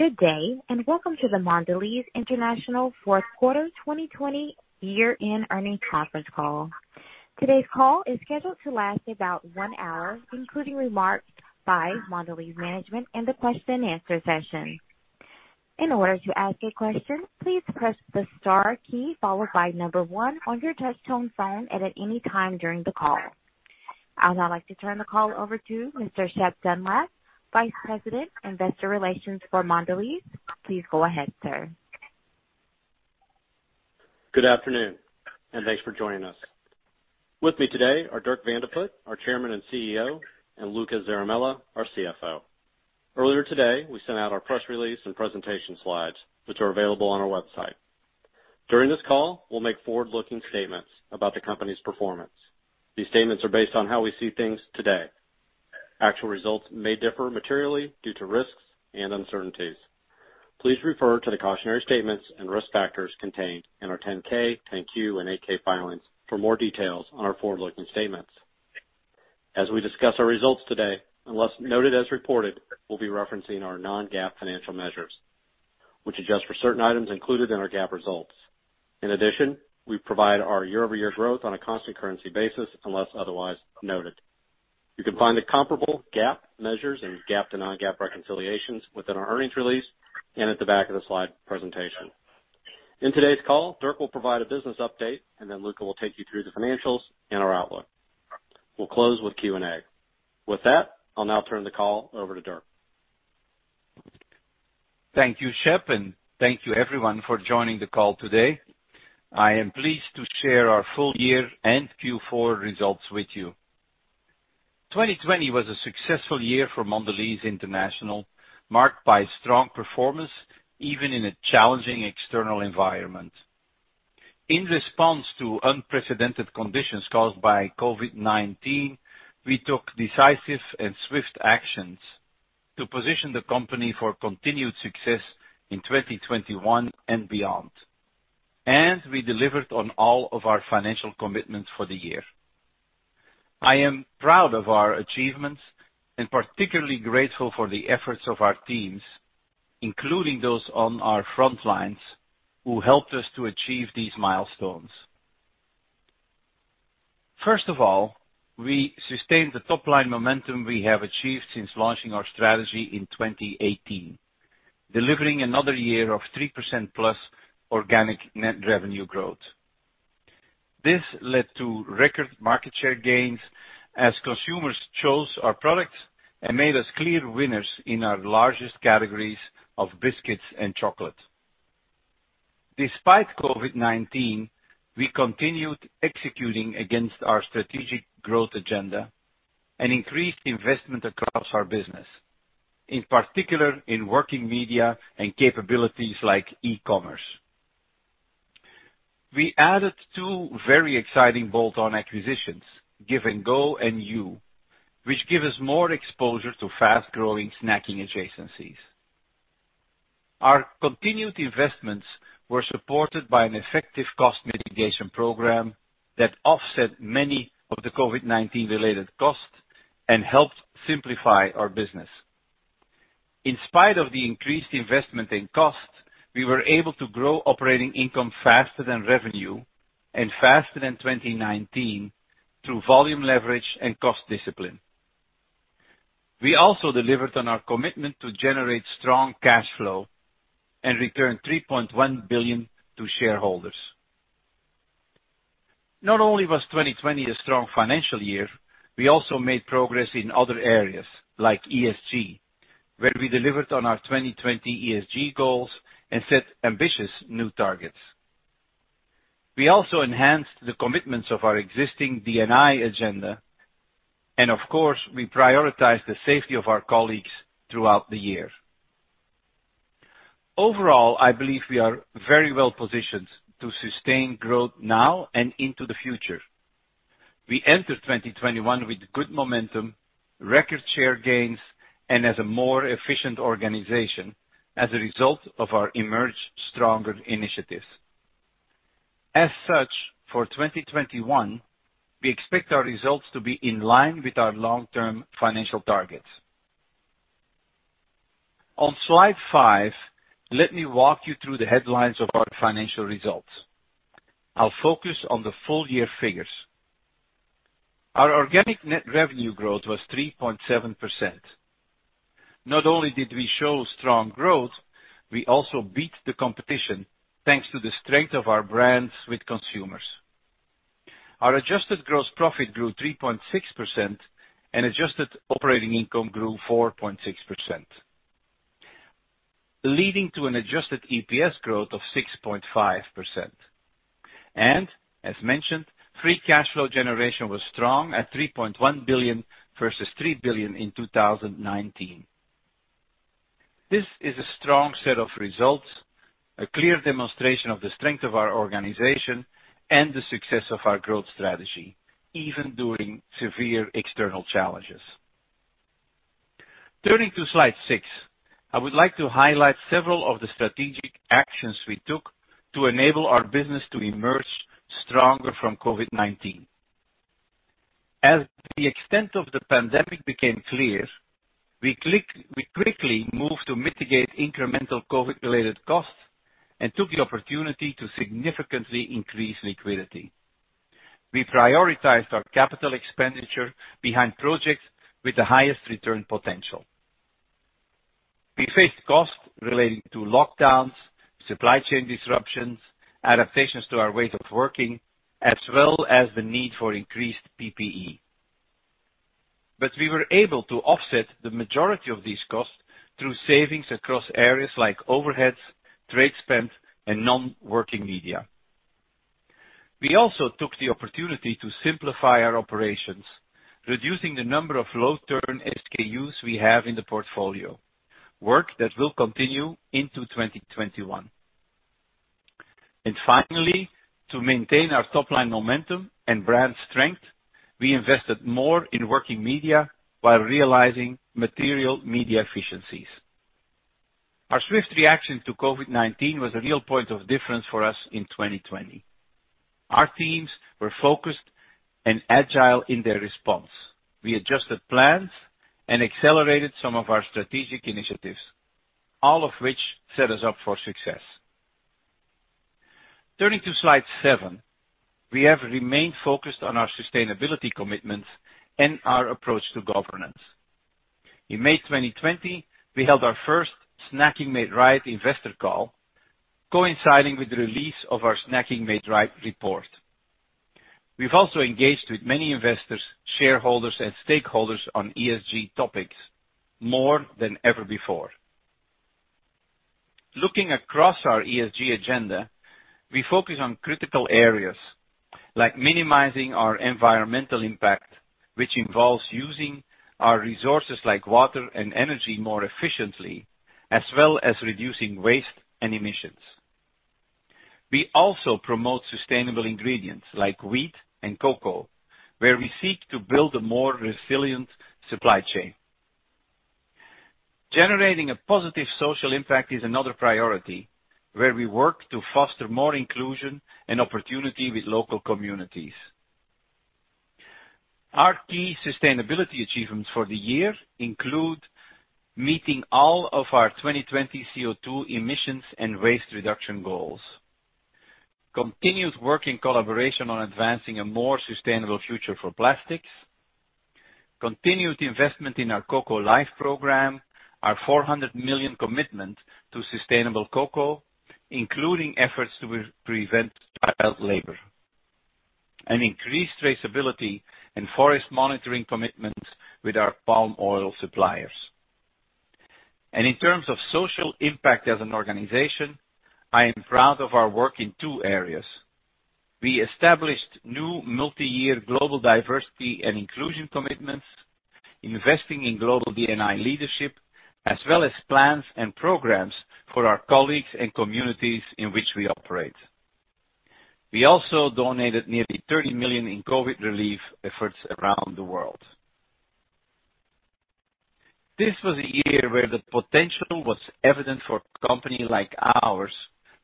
Good day. Welcome to the Mondelēz International fourth quarter 2020 year-end earnings conference call. Today's call is scheduled to last about one hour, including remarks by Mondelēz management and the question-and-answer session. In order to ask a question, please press the star key followed by number one on your touch-tone phone at any time during the call. I would now like to turn the call over to Mr. Shep Dunlap, Vice President, Investor Relations for Mondelēz. Please go ahead, sir. Good afternoon, and thanks for joining us. With me today are Dirk Van de Put, our Chairman and CEO, and Luca Zaramella, our CFO. Earlier today, we sent out our press release and presentation slides, which are available on our website. During this call, we'll make forward-looking statements about the company's performance. These statements are based on how we see things today. Actual results may differ materially due to risks and uncertainties. Please refer to the cautionary statements and risk factors contained in our 10-K, 10-Q, and 8-K filings for more details on our forward-looking statements. As we discuss our results today, unless noted as reported, we'll be referencing our non-GAAP financial measures, which adjust for certain items included in our GAAP results. In addition, we provide our year-over-year growth on a constant currency basis unless otherwise noted. You can find the comparable GAAP measures and GAAP to non-GAAP reconciliations within our earnings release and at the back of the slide presentation. In today's call, Dirk will provide a business update, and then Luca will take you through the financials and our outlook. We'll close with Q&A. With that, I'll now turn the call over to Dirk. Thank you, Shep, and thank you everyone for joining the call today. I am pleased to share our full-year and Q4 results with you. 2020 was a successful year for Mondelēz International, marked by strong performance even in a challenging external environment. In response to unprecedented conditions caused by COVID-19, we took decisive and swift actions to position the company for continued success in 2021 and beyond. We delivered on all of our financial commitments for the year. I am proud of our achievements and particularly grateful for the efforts of our teams, including those on our front lines, who helped us to achieve these milestones. First of all, we sustained the top-line momentum we have achieved since launching our strategy in 2018, delivering another year of 3%+ organic net revenue growth. This led to record market share gains as consumers chose our products and made us clear winners in our largest categories of biscuits and chocolate. Despite COVID-19, we continued executing against our strategic growth agenda and increased investment across our business, in particular in working media and capabilities like e-commerce. We added two very exciting bolt-on acquisitions, Give & Go and Hu, which give us more exposure to fast-growing snacking adjacencies. Our continued investments were supported by an effective cost mitigation program that offset many of the COVID-19-related costs and helped simplify our business. In spite of the increased investment and costs, we were able to grow operating income faster than revenue and faster than 2019 through volume leverage and cost discipline. We also delivered on our commitment to generate strong cash flow and return $3.1 billion to shareholders. Not only was 2020 a strong financial year, we also made progress in other areas like ESG, where we delivered on our 2020 ESG goals and set ambitious new targets. We also enhanced the commitments of our existing D&I agenda. Of course, we prioritized the safety of our colleagues throughout the year. Overall, I believe we are very well-positioned to sustain growth now and into the future. We enter 2021 with good momentum, record share gains, and as a more efficient organization as a result of our Emerge Stronger initiatives. As such, for 2021, we expect our results to be in line with our long-term financial targets. On slide five, let me walk you through the headlines of our financial results. I'll focus on the full year figures. Our organic net revenue growth was 3.7%. Not only did we show strong growth, we also beat the competition, thanks to the strength of our brands with consumers. Our adjusted gross profit grew 3.6%, and adjusted operating income grew 4.6%, leading to an adjusted EPS growth of 6.5%. As mentioned, free cash flow generation was strong at $3.1 billion versus $3 billion in 2019. This is a strong set of results, a clear demonstration of the strength of our organization and the success of our growth strategy, even during severe external challenges. Turning to slide six, I would like to highlight several of the strategic actions we took to enable our business to emerge stronger from COVID-19. As the extent of the pandemic became clear, we quickly moved to mitigate incremental COVID-related costs and took the opportunity to significantly increase liquidity. We prioritized our capital expenditure behind projects with the highest return potential. We faced costs relating to lockdowns, supply chain disruptions, adaptations to our ways of working, as well as the need for increased PPE. We were able to offset the majority of these costs through savings across areas like overheads, trade spend, and non-working media. We also took the opportunity to simplify our operations, reducing the number of low-turn SKUs we have in the portfolio, work that will continue into 2021. Finally, to maintain our top-line momentum and brand strength, we invested more in working media while realizing material media efficiencies. Our swift reaction to COVID-19 was a real point of difference for us in 2020. Our teams were focused and agile in their response. We adjusted plans and accelerated some of our strategic initiatives, all of which set us up for success. Turning to slide seven, we have remained focused on our sustainability commitments and our approach to governance. In May 2020, we held our first Snacking Made Right investor call, coinciding with the release of our Snacking Made Right report. We've also engaged with many investors, shareholders, and stakeholders on ESG topics more than ever before. Looking across our ESG agenda, we focus on critical areas like minimizing our environmental impact, which involves using our resources like water and energy more efficiently, as well as reducing waste and emissions. We also promote sustainable ingredients like wheat and cocoa, where we seek to build a more resilient supply chain. Generating a positive social impact is another priority, where we work to foster more inclusion and opportunity with local communities. Our key sustainability achievements for the year include meeting all of our 2020 CO2 emissions and waste reduction goals, continued work in collaboration on advancing a more sustainable future for plastics, continued investment in our Cocoa Life program, our $400 million commitment to sustainable cocoa, including efforts to prevent child labor, and increased traceability and forest monitoring commitments with our palm oil suppliers. In terms of social impact as an organization, I am proud of our work in two areas. We established new multi-year global diversity and inclusion commitments, investing in global D&I leadership, as well as plans and programs for our colleagues and communities in which we operate. We also donated nearly $30 million in COVID relief efforts around the world. This was a year where the potential was evident for a company like ours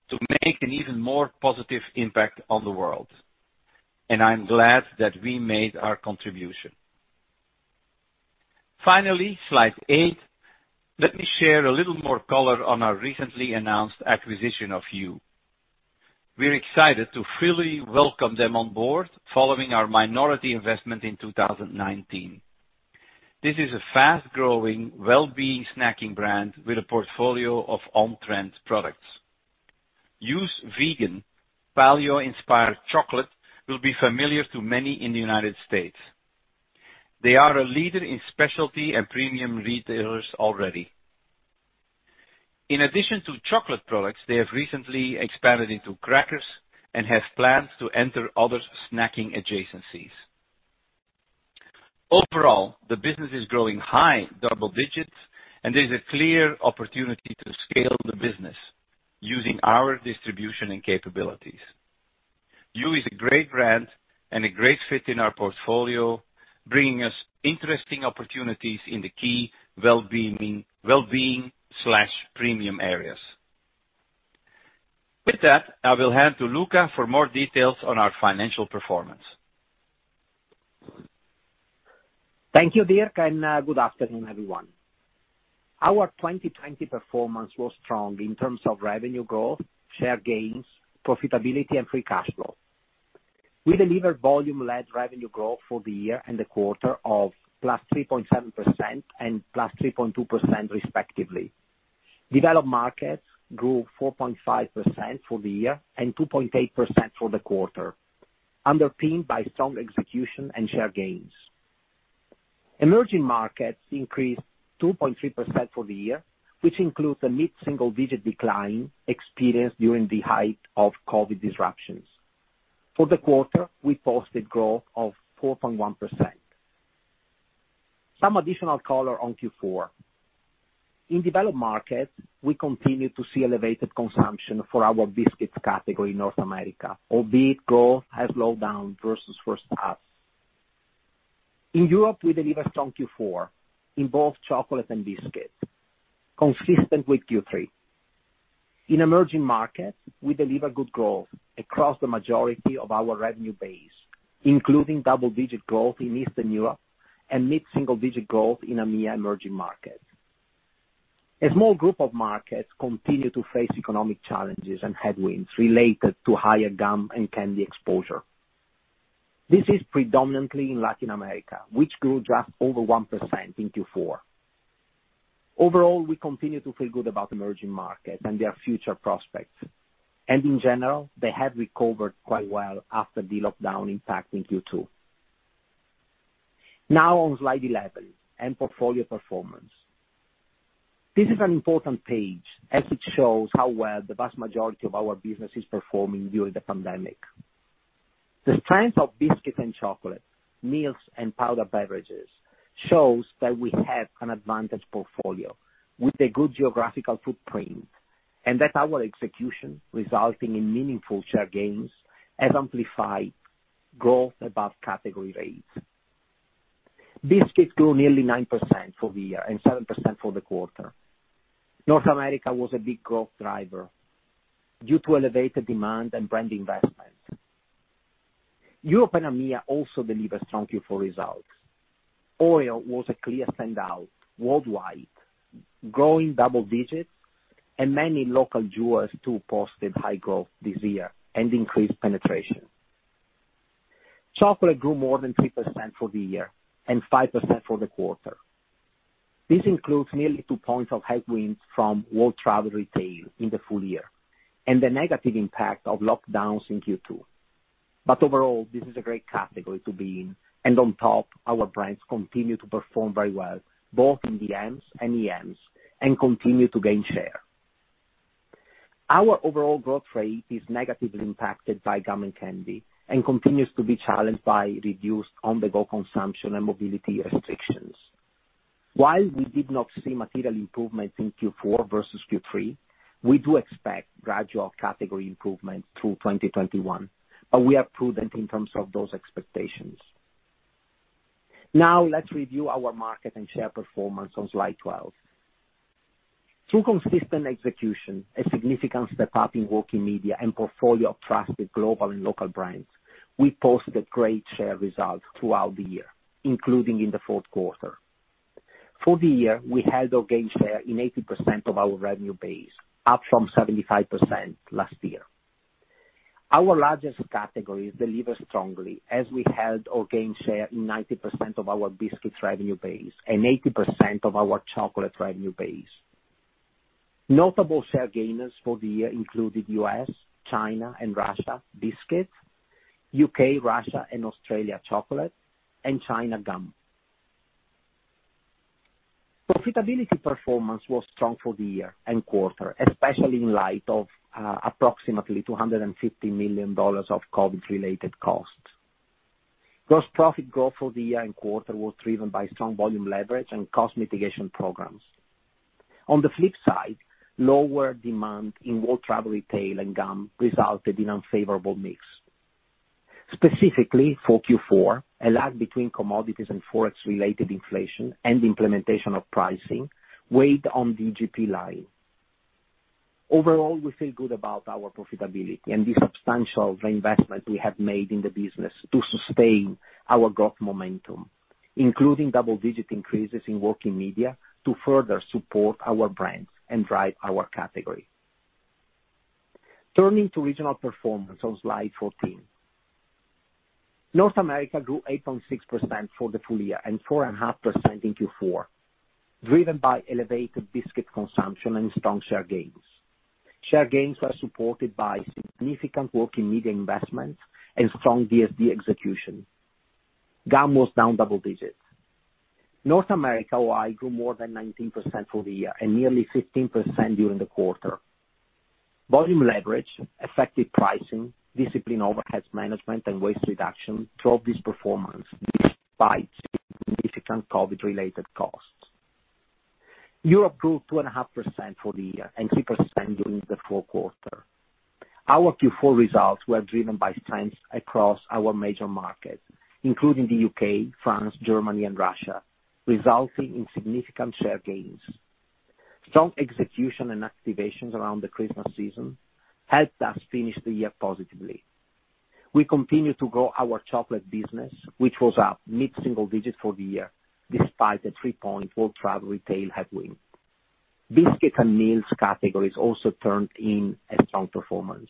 to make an even more positive impact on the world, and I'm glad that we made our contribution. Finally, slide eight, let me share a little more color on our recently announced acquisition of Hu. We're excited to fully welcome them on board following our minority investment in 2019. This is a fast-growing, well-being snacking brand with a portfolio of on-trend products. Hu's vegan, paleo-inspired chocolate will be familiar to many in the United States. They are a leader in specialty and premium retailers already. In addition to chocolate products, they have recently expanded into crackers and have plans to enter other snacking adjacencies. Overall, the business is growing high double digits, and there's a clear opportunity to scale the business using our distribution and capabilities. Hu is a great brand and a great fit in our portfolio, bringing us interesting opportunities in the key well-being/premium areas. With that, I will hand to Luca for more details on our financial performance. Thank you, Dirk. Good afternoon, everyone. Our 2020 performance was strong in terms of revenue growth, share gains, profitability, and free cash flow. We delivered volume-led revenue growth for the year and the quarter of +3.7% and +3.2%, respectively. Developed markets grew 4.5% for the year and 2.8% for the quarter, underpinned by strong execution and share gains. Emerging Markets increased 2.3% for the year, which includes a mid-single-digit decline experienced during the height of COVID-19 disruptions. For the quarter, we posted growth of 4.1%. Some additional color on Q4. In developed markets, we continue to see elevated consumption for our biscuits category in North America, albeit growth has slowed down versus first half. In Europe, we delivered strong Q4 in both chocolate and biscuits, consistent with Q3. In Emerging Markets, we deliver good growth across the majority of our revenue base, including double-digit growth in Eastern Europe and mid-single digit growth in AMEA Emerging Markets. A small group of markets continue to face economic challenges and headwinds related to higher gum and candy exposure. This is predominantly in Latin America, which grew just over 1% in Q4. Overall, we continue to feel good about emerging markets and their future prospects. In general, they have recovered quite well after the lockdown impact in Q2. On slide 11, end portfolio performance. This is an important page, as it shows how well the vast majority of our business is performing during the pandemic. The strength of biscuits and chocolate, meals, and powder beverages shows that we have an advantage portfolio with a good geographical footprint, and that our execution resulting in meaningful share gains has amplified growth above category rates. Biscuits grew nearly 9% for the year and 7% for the quarter. North America was a big growth driver due to elevated demand and brand investments. Europe and AMEA also delivered strong Q4 results. OREO was a clear standout worldwide, growing double-digit, and many local jewels too posted high growth this year and increased penetration. Chocolate grew more than 3% for the year, and 5% for the quarter. This includes nearly 2 points of headwinds from world travel retail in the full year, and the negative impact of lockdowns in Q2. Overall, this is a great category to be in, and on top, our brands continue to perform very well, both in DMs and EMs, and continue to gain share. Our overall growth rate is negatively impacted by gum and candy and continues to be challenged by reduced on-the-go consumption and mobility restrictions. While we did not see material improvements in Q4 versus Q3, we do expect gradual category improvement through 2021, but we are prudent in terms of those expectations. Let's review our market and share performance on slide 12. Through consistent execution, a significant step-up in working media, and portfolio of trusted global and local brands, we posted a great share result throughout the year, including in the fourth quarter. For the year, we held or gained share in 80% of our revenue base, up from 75% last year. Our largest categories delivered strongly as we held or gained share in 90% of our biscuits revenue base and 80% of our chocolate revenue base. Notable share gainers for the year included U.S., China, and Russia biscuits, U.K., Russia, and Australia chocolate, and China gum. Profitability performance was strong for the year and quarter, especially in light of approximately $250 million of COVID-related costs. Gross profit growth for the year and quarter was driven by strong volume leverage and cost mitigation programs. On the flip side, lower demand in world travel retail and gum resulted in unfavorable mix. Specifically, for Q4, a lag between commodities and forex-related inflation and implementation of pricing weighed on the GP line. Overall, we feel good about our profitability and the substantial reinvestment we have made in the business to sustain our growth momentum, including double-digit increases in working media to further support our brands and drive our category. Turning to regional performance on slide 14. North America grew 8.6% for the full year and 4.5% in Q4, driven by elevated biscuit consumption and strong share gains. Share gains were supported by significant working media investments and strong DSD execution. Gum was down double digits. North America OI grew more than 19% for the year and nearly 15% during the quarter. Volume leverage, effective pricing, disciplined overhead management, and waste reduction drove this performance despite significant COVID-related costs. Europe grew 2.5% for the year and 3% during the fourth quarter. Our Q4 results were driven by trends across our major markets, including the U.K., France, Germany, and Russia, resulting in significant share gains. Strong execution and activations around the Christmas season helped us finish the year positively. We continue to grow our chocolate business, which was up mid single-digit for the year, despite a three-point world travel retail headwind. Biscuits and meals categories also turned in a strong performance,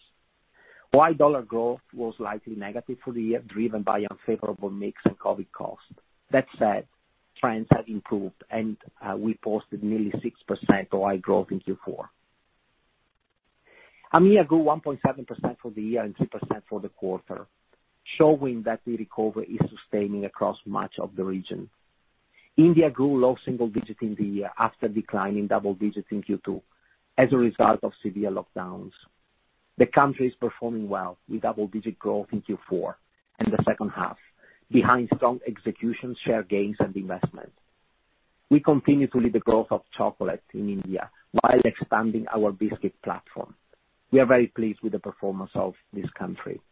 while dollar growth was slightly negative for the year, driven by unfavorable mix and COVID costs. That said, trends have improved, and we posted nearly 6% OI growth in Q4. AMEA grew 1.7% for the year and 3% for the quarter, showing that the recovery is sustaining across much of the region. India grew low single-digit in the year after declining double-digit in Q2 as a result of severe lockdowns. The country is performing well with double-digit growth in Q4 and the second half behind strong execution, share gains, and investment. We continue to lead the growth of chocolate in India while expanding our biscuit platform. We are very pleased with the performance of this country.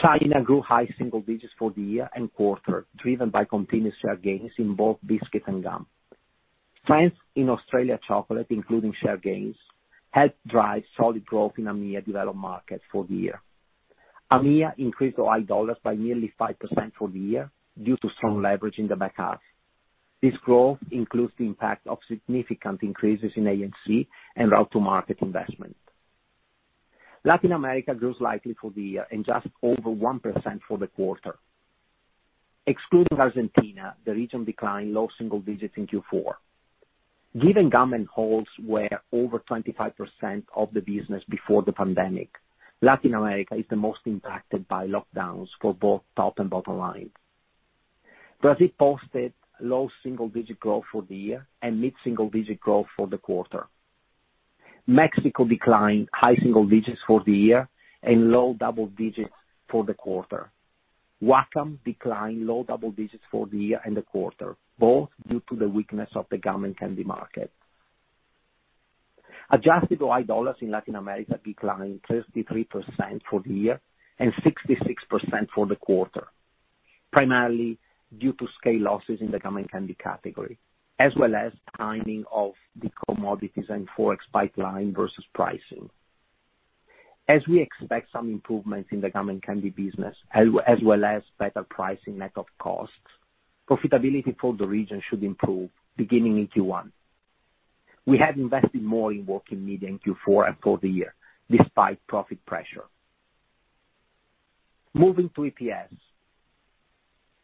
China grew high single digits for the year and quarter, driven by continued share gains in both biscuits and gum. Trends in Australia chocolate, including share gains, helped drive solid growth in AMEA developed markets for the year. AMEA increased OI dollars by nearly 5% for the year due to strong leverage in the back half. This growth includes the impact of significant increases in A&C and route to market investment. Latin America grew slightly for the year and just over 1% for the quarter. Excluding Argentina, the region decline low single digits in Q4. Given gum and Halls were over 25% of the business before the pandemic, Latin America is the most impacted by lockdowns for both top and bottom line. Brazil posted low single-digit growth for the year and mid single-digit growth for the quarter. Mexico declined high single digits for the year and low double digits for the quarter. WACAM declined low double digits for the year and the quarter, both due to the weakness of the gum and candy market. Adjusted OI dollars in Latin America declined 33% for the year and 66% for the quarter, primarily due to scale losses in the gum and candy category, as well as timing of the commodities and Forex pipeline versus pricing. We expect some improvements in the gum and candy business, as well as better pricing net of costs, profitability for the region should improve beginning in Q1. We have invested more in working media in Q4 and for the year, despite profit pressure. Moving to EPS.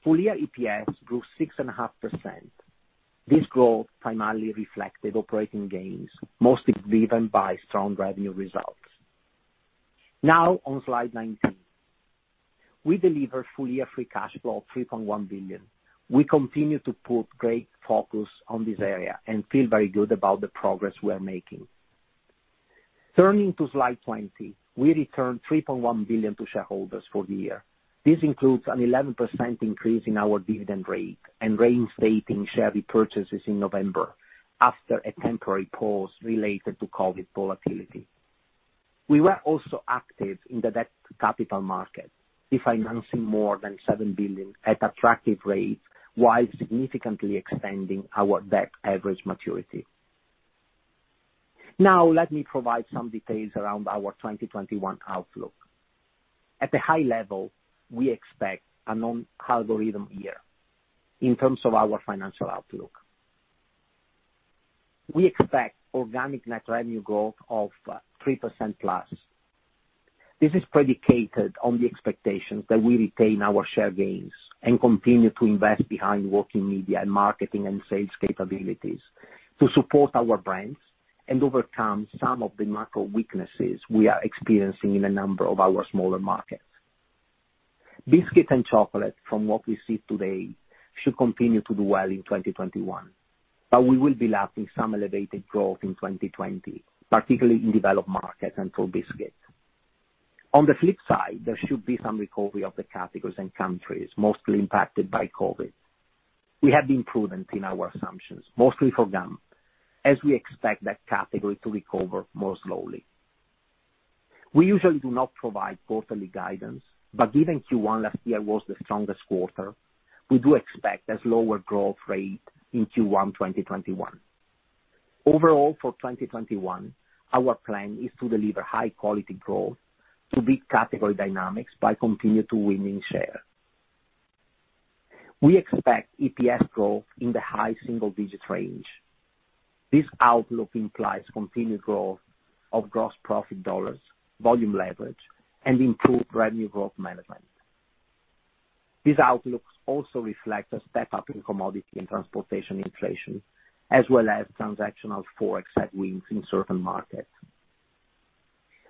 Full-year EPS grew 6.5%. This growth primarily reflected operating gains, mostly driven by strong revenue results. On slide 19. We delivered full-year free cash flow of $3.1 billion. We continue to put great focus on this area and feel very good about the progress we are making. Turning to slide 20, we returned $3.1 billion to shareholders for the year. This includes an 11% increase in our dividend rate and reinstating share repurchases in November after a temporary pause related to COVID volatility. We were also active in the debt capital market, refinancing more than $7 billion at attractive rates, while significantly extending our debt average maturity. Let me provide some details around our 2021 outlook. At a high level, we expect an on-algorithm year in terms of our financial outlook. We expect organic net revenue growth of 3%+. This is predicated on the expectation that we retain our share gains and continue to invest behind working media and marketing and sales capabilities to support our brands and overcome some of the macro weaknesses we are experiencing in a number of our smaller markets. Biscuits and chocolate, from what we see today, should continue to do well in 2021, but we will be lacking some elevated growth in 2020, particularly in developed markets and for biscuits. On the flip side, there should be some recovery of the categories and countries mostly impacted by COVID. We have been prudent in our assumptions, mostly for gum, as we expect that category to recover more slowly. We usually do not provide quarterly guidance, given Q1 last year was the strongest quarter, we do expect a slower growth rate in Q1 2021. Overall, for 2021, our plan is to deliver high-quality growth to beat category dynamics by continuing to winning share. We expect EPS growth in the high single-digit range. This outlook implies continued growth of gross profit dollars, volume leverage, and improved revenue growth management. These outlooks also reflect a step-up in commodity and transportation inflation, as well as transactional Forex headwinds in certain markets.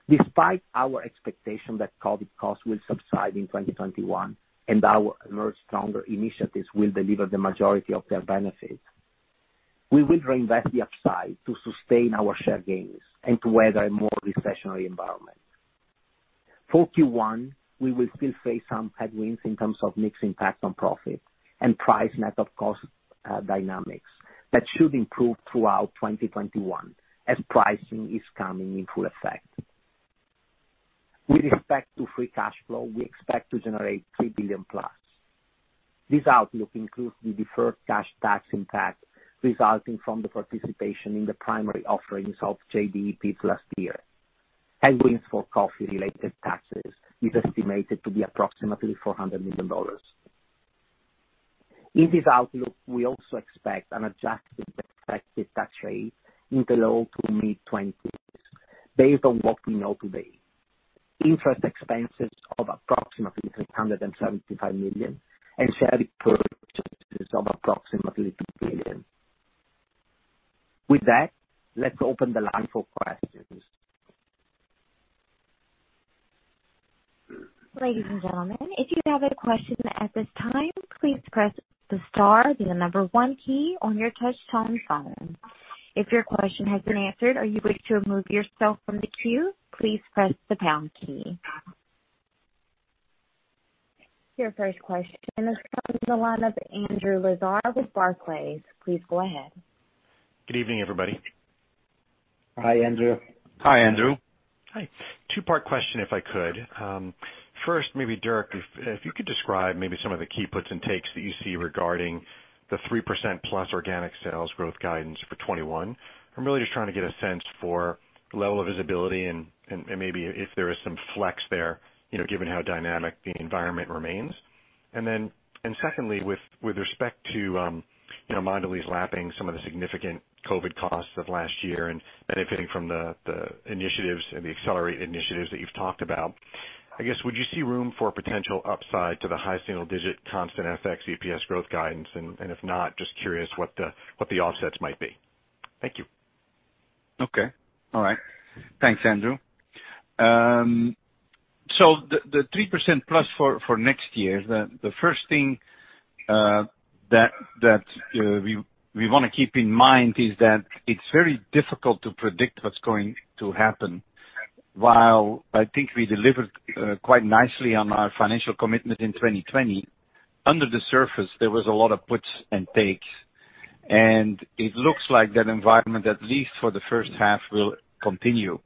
Despite our expectation that COVID-19 costs will subside in 2021 and our Emerge Stronger initiatives will deliver the majority of their benefits, we will reinvest the upside to sustain our share gains and to weather a more recessionary environment. For Q1, we will still face some headwinds in terms of mix impact on profit and price net of cost dynamics that should improve throughout 2021 as pricing is coming in full effect. With respect to free cash flow, we expect to generate $3 billion+. This outlook includes the deferred cash tax impact resulting from the participation in the primary offerings of JDEP last year. Headwinds for coffee-related taxes is estimated to be approximately $400 million. In this outlook, we also expect an adjusted effective tax rate in the low to mid-20% based on what we know today. Interest expenses of approximately $375 million and share repurchases of approximately $2 billion. With that, let's open the line for questions. Ladies and gentlemen, if you have a question at this time, please press the star, then the number one key on your touch-tone phone. If your question has been answered or you wish to remove yourself from the queue, please press the pound key. Your first question is from the line of Andrew Lazar with Barclays. Please go ahead. Good evening, everybody. Hi, Andrew. Hi, Andrew. Hi. Two-part question, if I could. First, maybe Dirk, if you could describe maybe some of the key puts and takes that you see regarding the 3%+ organic sales growth guidance for 2021. I'm really just trying to get a sense for level of visibility and maybe if there is some flex there, given how dynamic the environment remains. Secondly, with respect to Mondelēz lapping some of the significant COVID-19 costs of last year and benefiting from the initiatives and the accelerated initiatives that you've talked about, I guess would you see room for potential upside to the high single-digit constant FX EPS growth guidance? If not, just curious what the offsets might be. Thank you. Okay. All right. Thanks, Andrew. The 3%+ for next year, the first thing that we want to keep in mind is that it's very difficult to predict what's going to happen. While I think we delivered quite nicely on our financial commitment in 2020, under the surface, there was a lot of puts and takes, and it looks like that environment, at least for the first half, will continue.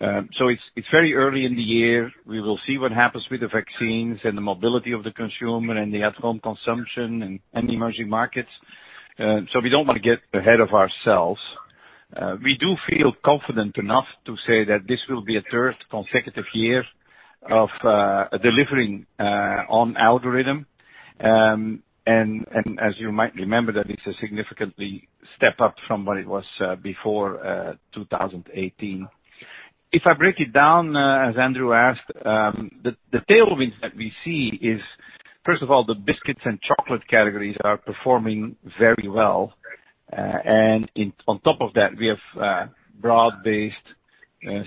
It's very early in the year. We will see what happens with the vaccines and the mobility of the consumer and the at-home consumption and the emerging markets. We don't want to get ahead of ourselves. We do feel confident enough to say that this will be a third consecutive year of delivering on algorithm. As you might remember, that is a significantly step up from what it was before 2018. If I break it down, as Andrew asked, the tailwinds that we see is, first of all, the biscuits and chocolate categories are performing very well. On top of that, we have broad-based,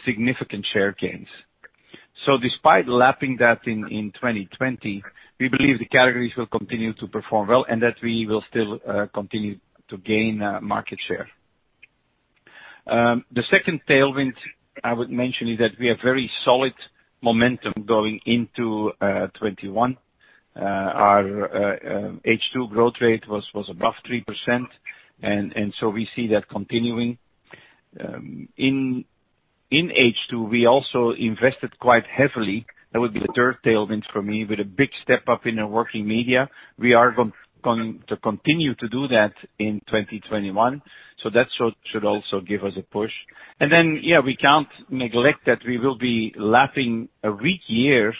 significant share gains. Despite lapping that in 2020, we believe the categories will continue to perform well and that we will still continue to gain market share. The second tailwind I would mention is that we have very solid momentum going into 2021. Our H2 growth rate was above 3%. We see that continuing. In H2, we also invested quite heavily. That would be the third tailwind for me, with a big step up in our working media. We are going to continue to do that in 2021, so that should also give us a push. Yeah, we can't neglect that we will be lapping a weak year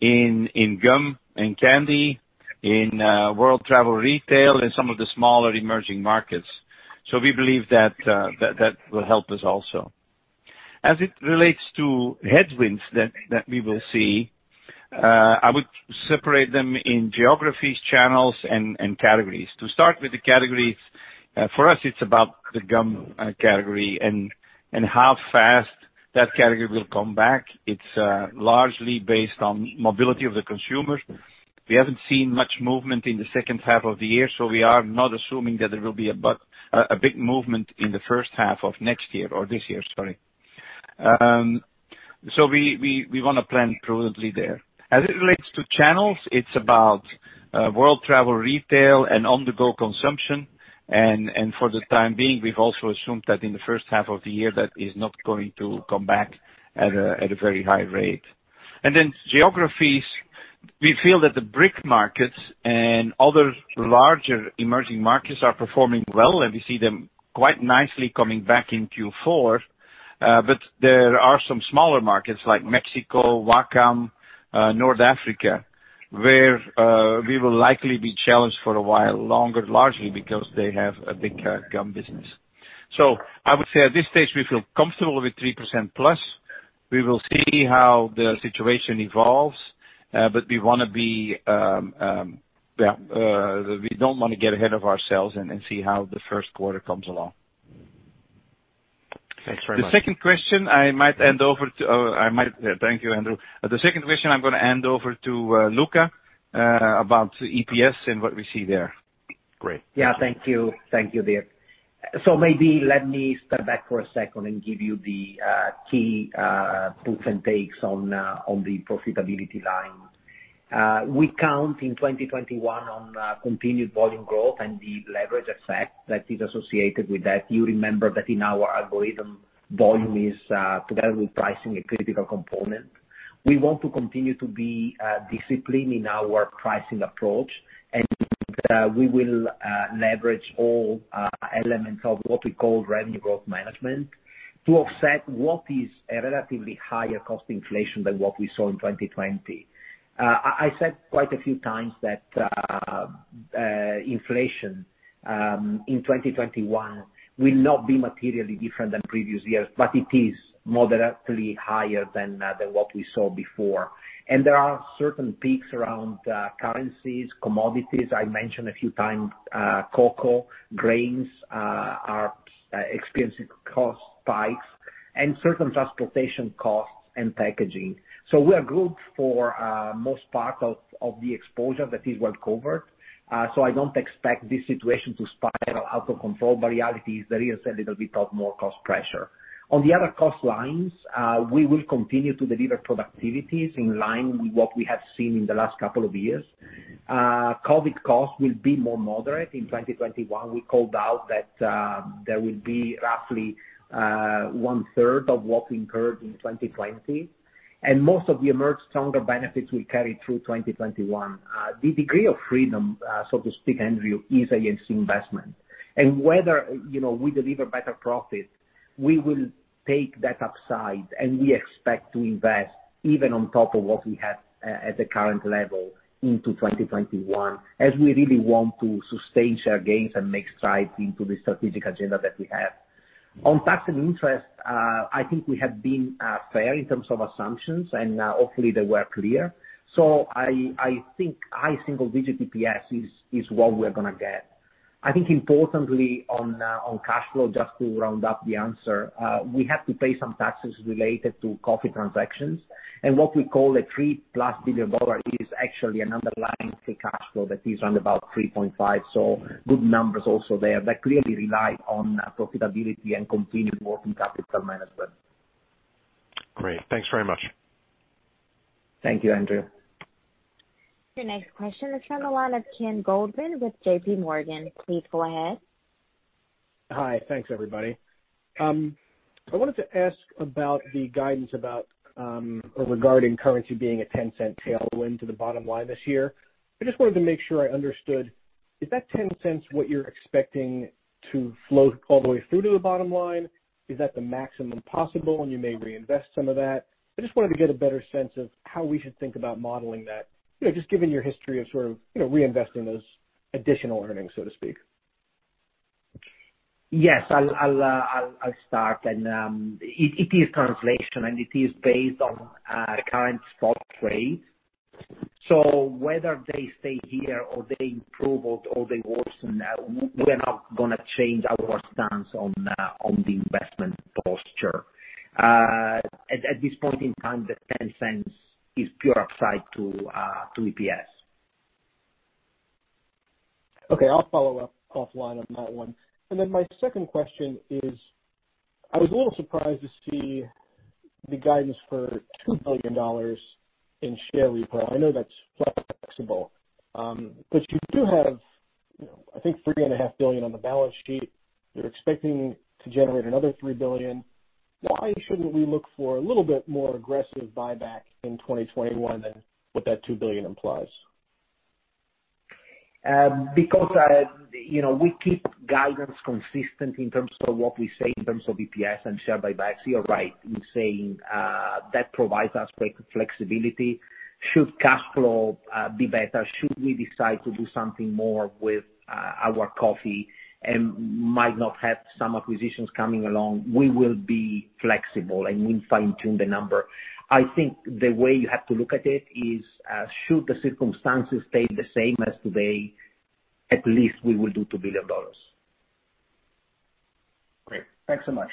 in gum, in candy, in World Travel Retail, in some of the smaller emerging markets. We believe that will help us also. As it relates to headwinds that we will see, I would separate them in geographies, channels, and categories. To start with the categories, for us, it's about the gum category and how fast that category will come back. It's largely based on mobility of the consumer. We haven't seen much movement in the second half of the year, so we are not assuming that there will be a big movement in the first half of next year or this year, sorry. We want to plan prudently there. As it relates to channels, it's about world travel retail and on-the-go consumption, and for the time being, we've also assumed that in the first half of the year, that is not going to come back at a very high rate. Geographies, we feel that the BRIC markets and other larger emerging markets are performing well, and we see them quite nicely coming back in Q4. There are some smaller markets like Mexico, WACAM, North Africa, where we will likely be challenged for a while longer, largely because they have a big gum business. I would say at this stage, we feel comfortable with 3%+. We will see how the situation evolves, but we don't want to get ahead of ourselves and see how the first quarter comes along. Thanks very much. Thank you, Andrew. The second question I'm going to hand over to Luca about EPS and what we see there. Great. Yeah. Thank you, Dirk. Maybe let me step back for a second and give you the key puts and takes on the profitability line. We count in 2021 on continued volume growth and the leverage effect that is associated with that. You remember that in our algorithm, volume is, together with pricing, a critical component. We want to continue to be disciplined in our pricing approach, and we will leverage all elements of what we call Revenue Growth Management to offset what is a relatively higher cost inflation than what we saw in 2020. I said quite a few times that inflation in 2021 will not be materially different than previous years, but it is moderately higher than what we saw before. There are certain peaks around currencies, commodities. I mentioned a few times, cocoa, grains are experiencing cost spikes and certain transportation costs and packaging. We are good for most part of the exposure that is well covered. I don't expect this situation to spiral out of control, but reality is there is a little bit of more cost pressure. On the other cost lines, we will continue to deliver productivities in line with what we have seen in the last couple of years. COVID costs will be more moderate in 2021. We called out that there will be roughly 1/3 of what we incurred in 2020, and most of the Emerge Stronger benefits will carry through 2021. The degree of freedom, so to speak, Andrew, is against investment. Whether we deliver better profit, we will take that upside, and we expect to invest even on top of what we have at the current level into 2021, as we really want to sustain share gains and make strides into the strategic agenda that we have. On tax and interest, I think we have been fair in terms of assumptions, and hopefully they were clear. I think high single-digit basis points is what we're going to get. I think importantly on cash flow, just to round up the answer, we have to pay some taxes related to coffee transactions. What we call a $3+ billion is actually an underlying free cash flow that is around about $3.5 billion. Good numbers also there that clearly rely on profitability and continued working capital management. Great. Thanks very much. Thank you, Andrew. Your next question is from the line of Ken Goldman with JPMorgan. Please go ahead. Hi. Thanks, everybody. I wanted to ask about the guidance about, or regarding currency being a $0.10 tailwind to the bottom line this year. I just wanted to make sure I understood. Is that $0.10 what you're expecting to flow all the way through to the bottom line? Is that the maximum possible, and you may reinvest some of that? I just wanted to get a better sense of how we should think about modeling that, just given your history of sort of reinvesting those additional earnings, so to speak. Yes. I'll start. It is translation, and it is based on current spot trade. Whether they stay here or they improve or they worsen, we're not going to change our stance on the investment posture. At this point in time, the $0.10 is pure upside to EPS. Okay. I'll follow up offline on that one. My second question is, I was a little surprised to see the guidance for $2 billion in share repo. I know that's flexible. You do have, I think, $3.5 billion on the balance sheet. You're expecting to generate another $3 billion. Why shouldn't we look for a little bit more aggressive buyback in 2021 than what that $2 billion implies? We keep guidance consistent in terms of what we say in terms of EPS and share buybacks. You're right in saying that provides us flexibility should cash flow be better, should we decide to do something more with our coffee and might not have some acquisitions coming along. We will be flexible, and we'll fine-tune the number. I think the way you have to look at it is, should the circumstances stay the same as today, at least we will do $2 billion. Great. Thanks so much.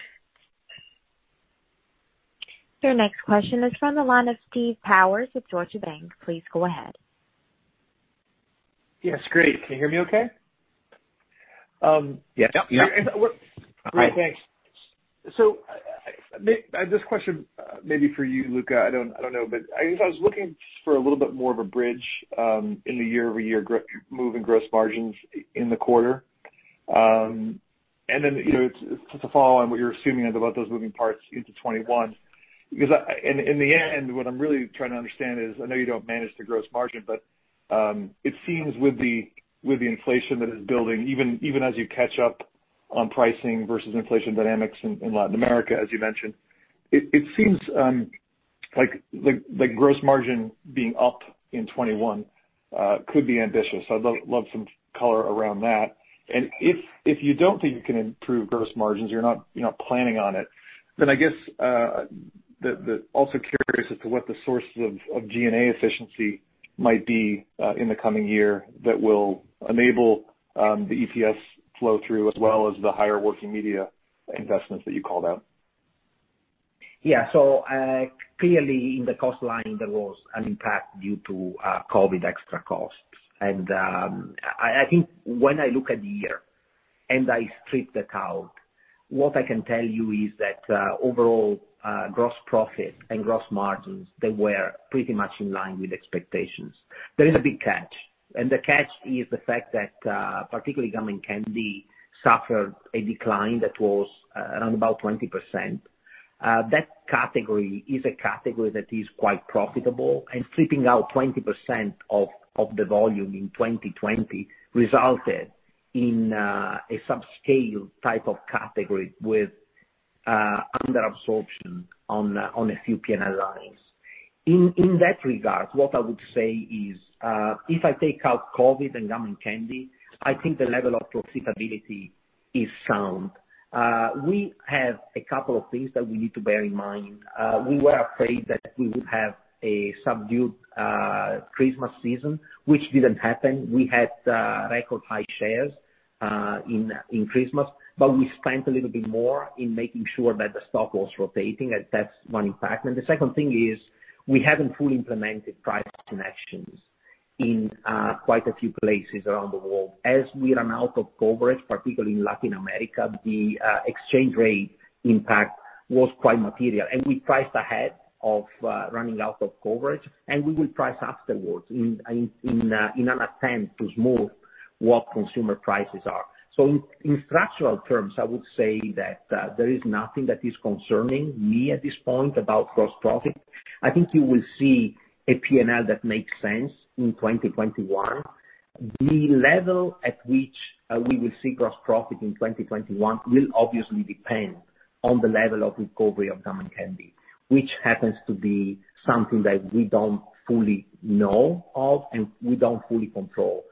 Your next question is from the line of Steve Powers with Deutsche Bank. Please go ahead. Yes. Great. Can you hear me okay? Yes. Yep. Great. Thanks. This question may be for you, Luca, I don't know. I guess I was looking for a little bit more of a bridge in the year-over-year moving gross margins in the quarter. Then to follow on what you're assuming about those moving parts into 2021. In the end, what I'm really trying to understand is, I know you don't manage the gross margin, but it seems with the inflation that is building, even as you catch up on pricing versus inflation dynamics in Latin America, as you mentioned, it seems like gross margin being up in 2021 could be ambitious. I'd love some color around that. If you don't think you can improve gross margins, you're not planning on it, then I guess also curious as to what the sources of G&A efficiency might be in the coming year that will enable the EPS flow through, as well as the higher working media investments that you called out. Yeah. Clearly in the cost line, there was an impact due to COVID extra costs. I think when I look at the year and I strip that out, what I can tell you is that overall gross profit and gross margins, they were pretty much in line with expectations. There is a big catch. The catch is the fact that particularly gum and candy suffered a decline that was around about 20%. That category is a category that is quite profitable. Stripping out 20% of the volume in 2020 resulted in a subscale type of category with under-absorption on a few P&L lines. In that regard, what I would say is, if I take out COVID and gum and candy, I think the level of profitability is sound. We have a couple of things that we need to bear in mind. We were afraid that we would have a subdued Christmas season, which didn't happen. We had record high shares in Christmas, but we spent a little bit more in making sure that the stock was rotating, and that's one impact. The second thing is we haven't fully implemented price actions in quite a few places around the world. As we run out of coverage, particularly in Latin America, the exchange rate impact was quite material, and we priced ahead of running out of coverage, and we will price afterwards in an attempt to smooth what consumer prices are. In structural terms, I would say that there is nothing that is concerning me at this point about gross profit. I think you will see a P&L that makes sense in 2021. The level at which we will see gross profit in 2021 will obviously depend on the level of recovery of gum and candy, which happens to be something that we don't fully know of, and we don't fully control.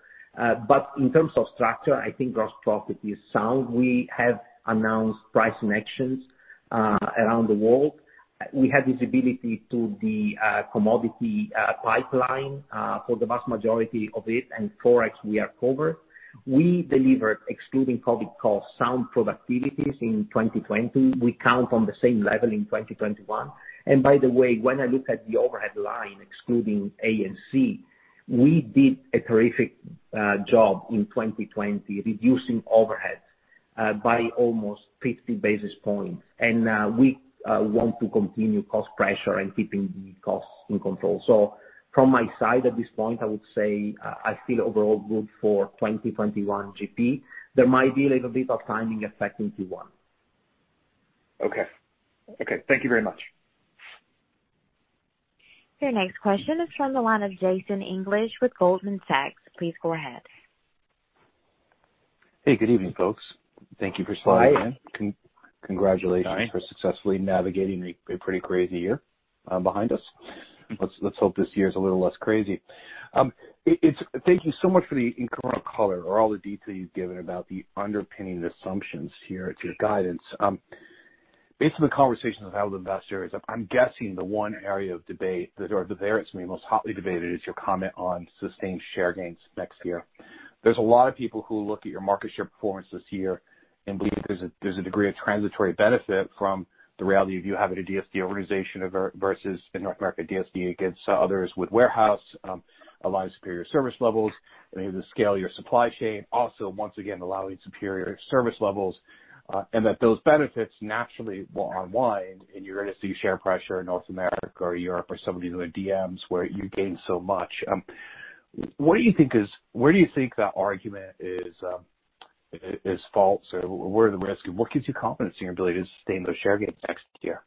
In terms of structure, I think gross profit is sound. We have announced pricing actions around the world. We have visibility to the commodity pipeline for the vast majority of it, and forex, we are covered. We delivered, excluding COVID-19 costs, sound productivities in 2020. We count on the same level in 2021. By the way, when I look at the overhead line, excluding A&C, we did a terrific job in 2020 reducing overhead by almost 50 basis points. We want to continue cost pressure and keeping the costs in control. From my side, at this point, I would say I feel overall good for 2021 GP. There might be a little bit of timing effect in Q1. Okay. Thank you very much. Your next question is from the line of Jason English with Goldman Sachs. Please go ahead. Hey, good evening, folks. Thank you for sliding in. Hi. Congratulations- Hi -for successfully navigating a pretty crazy year behind us. Let's hope this year is a little less crazy. Thank you so much for the incremental color or all the detail you've given about the underpinning assumptions here to your guidance. Based on the conversations I've had with investors, I'm guessing the one area of debate that or there it's been most hotly debated is your comment on sustained share gains next year. There's a lot of people who look at your market share performance this year and believe there's a degree of transitory benefit from the reality of you having a DSD organization versus in North America, DSD against others with warehouse, allowing superior service levels, and able to scale your supply chain, also, once again, allowing superior service levels, and that those benefits naturally will unwind, and you're going to see share pressure in North America or Europe or some of the other DMs where you gained so much. Where do you think that argument is false or where are the risks, and what gives you confidence in your ability to sustain those share gains next year?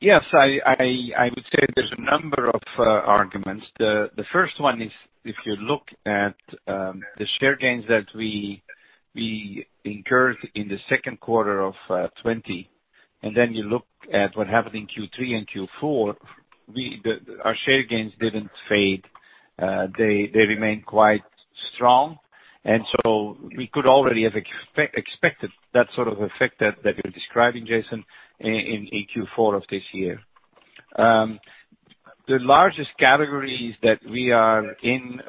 Yes, I would say there's a number of arguments. The first one is if you look at the share gains that we incurred in the second quarter of 2020, and then you look at what happened in Q3 and Q4, our share gains didn't fade. They remained quite strong. We could already have expected that sort of effect that you're describing, Jason, in Q4 of this year. The largest categories that we are in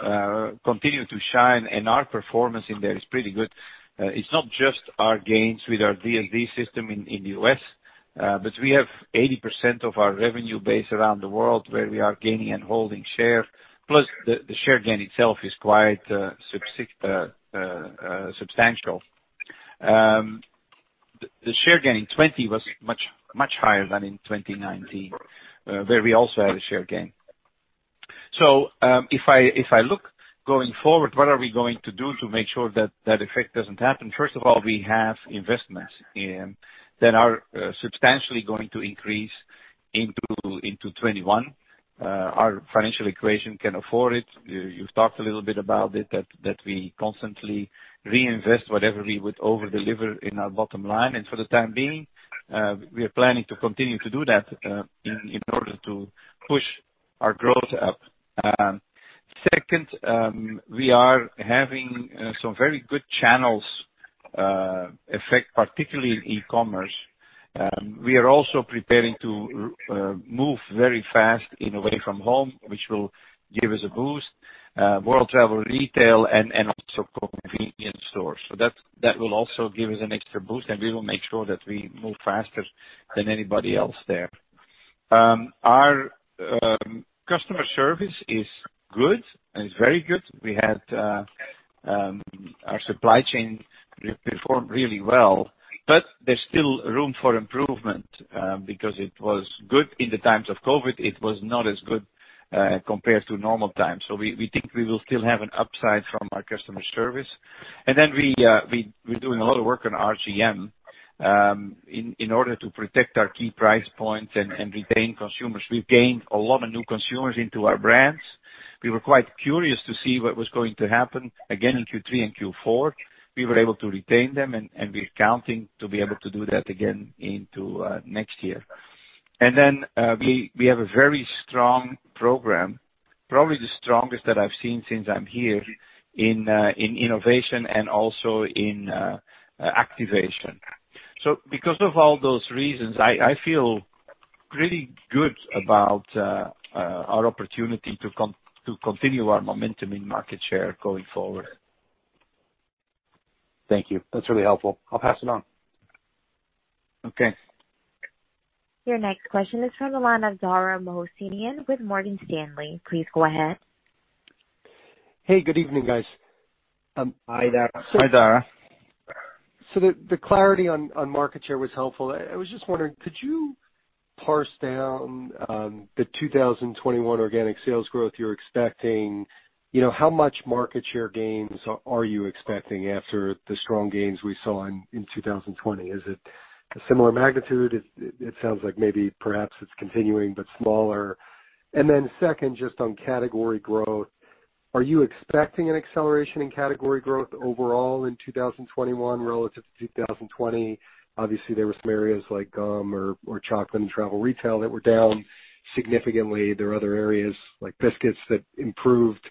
continue to shine, and our performance in there is pretty good. It's not just our gains with our DSD system in the U.S., but we have 80% of our revenue base around the world where we are gaining and holding share, plus the share gain itself is quite substantial. The share gain in 2020 was much, much higher than in 2019, where we also had a share gain. If I look going forward, what are we going to do to make sure that that effect doesn't happen? First of all, we have investments in that are substantially going to increase into 2021. Our financial equation can afford it. You talked a little bit about it, that we constantly reinvest whatever we would over-deliver in our bottom line. For the time being, we are planning to continue to do that in order to push our growth up. Second, we are having some very good channels effect, particularly in e-commerce. We are also preparing to move very fast in Away From Home, which will give us a boost. World travel, retail, and also convenience stores. That will also give us an extra boost, and we will make sure that we move faster than anybody else there. Our customer service is good. It's very good. Our supply chain performed really well. There's still room for improvement because it was good in the times of COVID. It was not as good compared to normal times. We think we will still have an upside from our customer service. We're doing a lot of work on RGM in order to protect our key price points and retain consumers. We've gained a lot of new consumers into our brands. We were quite curious to see what was going to happen again in Q3 and Q4. We were able to retain them, and we're counting to be able to do that again into next year. We have a very strong program, probably the strongest that I've seen since I'm here in innovation and also in activation. Because of all those reasons, I feel pretty good about our opportunity to continue our momentum in market share going forward. Thank you. That's really helpful. I'll pass it on. Okay. Your next question is from the line of Dara Mohsenian with Morgan Stanley. Please go ahead. Hey, good evening, guys. Hi, Dara. Hi, Dara. The clarity on market share was helpful. I was just wondering, could you parse down the 2021 organic sales growth you're expecting? How much market share gains are you expecting after the strong gains we saw in 2020? Is it a similar magnitude? It sounds like maybe perhaps it's continuing, but smaller. Second, just on category growth, are you expecting an acceleration in category growth overall in 2021 relative to 2020? Obviously, there were some areas like gum or chocolate, and travel retail that were down significantly. There are other areas like biscuits that improved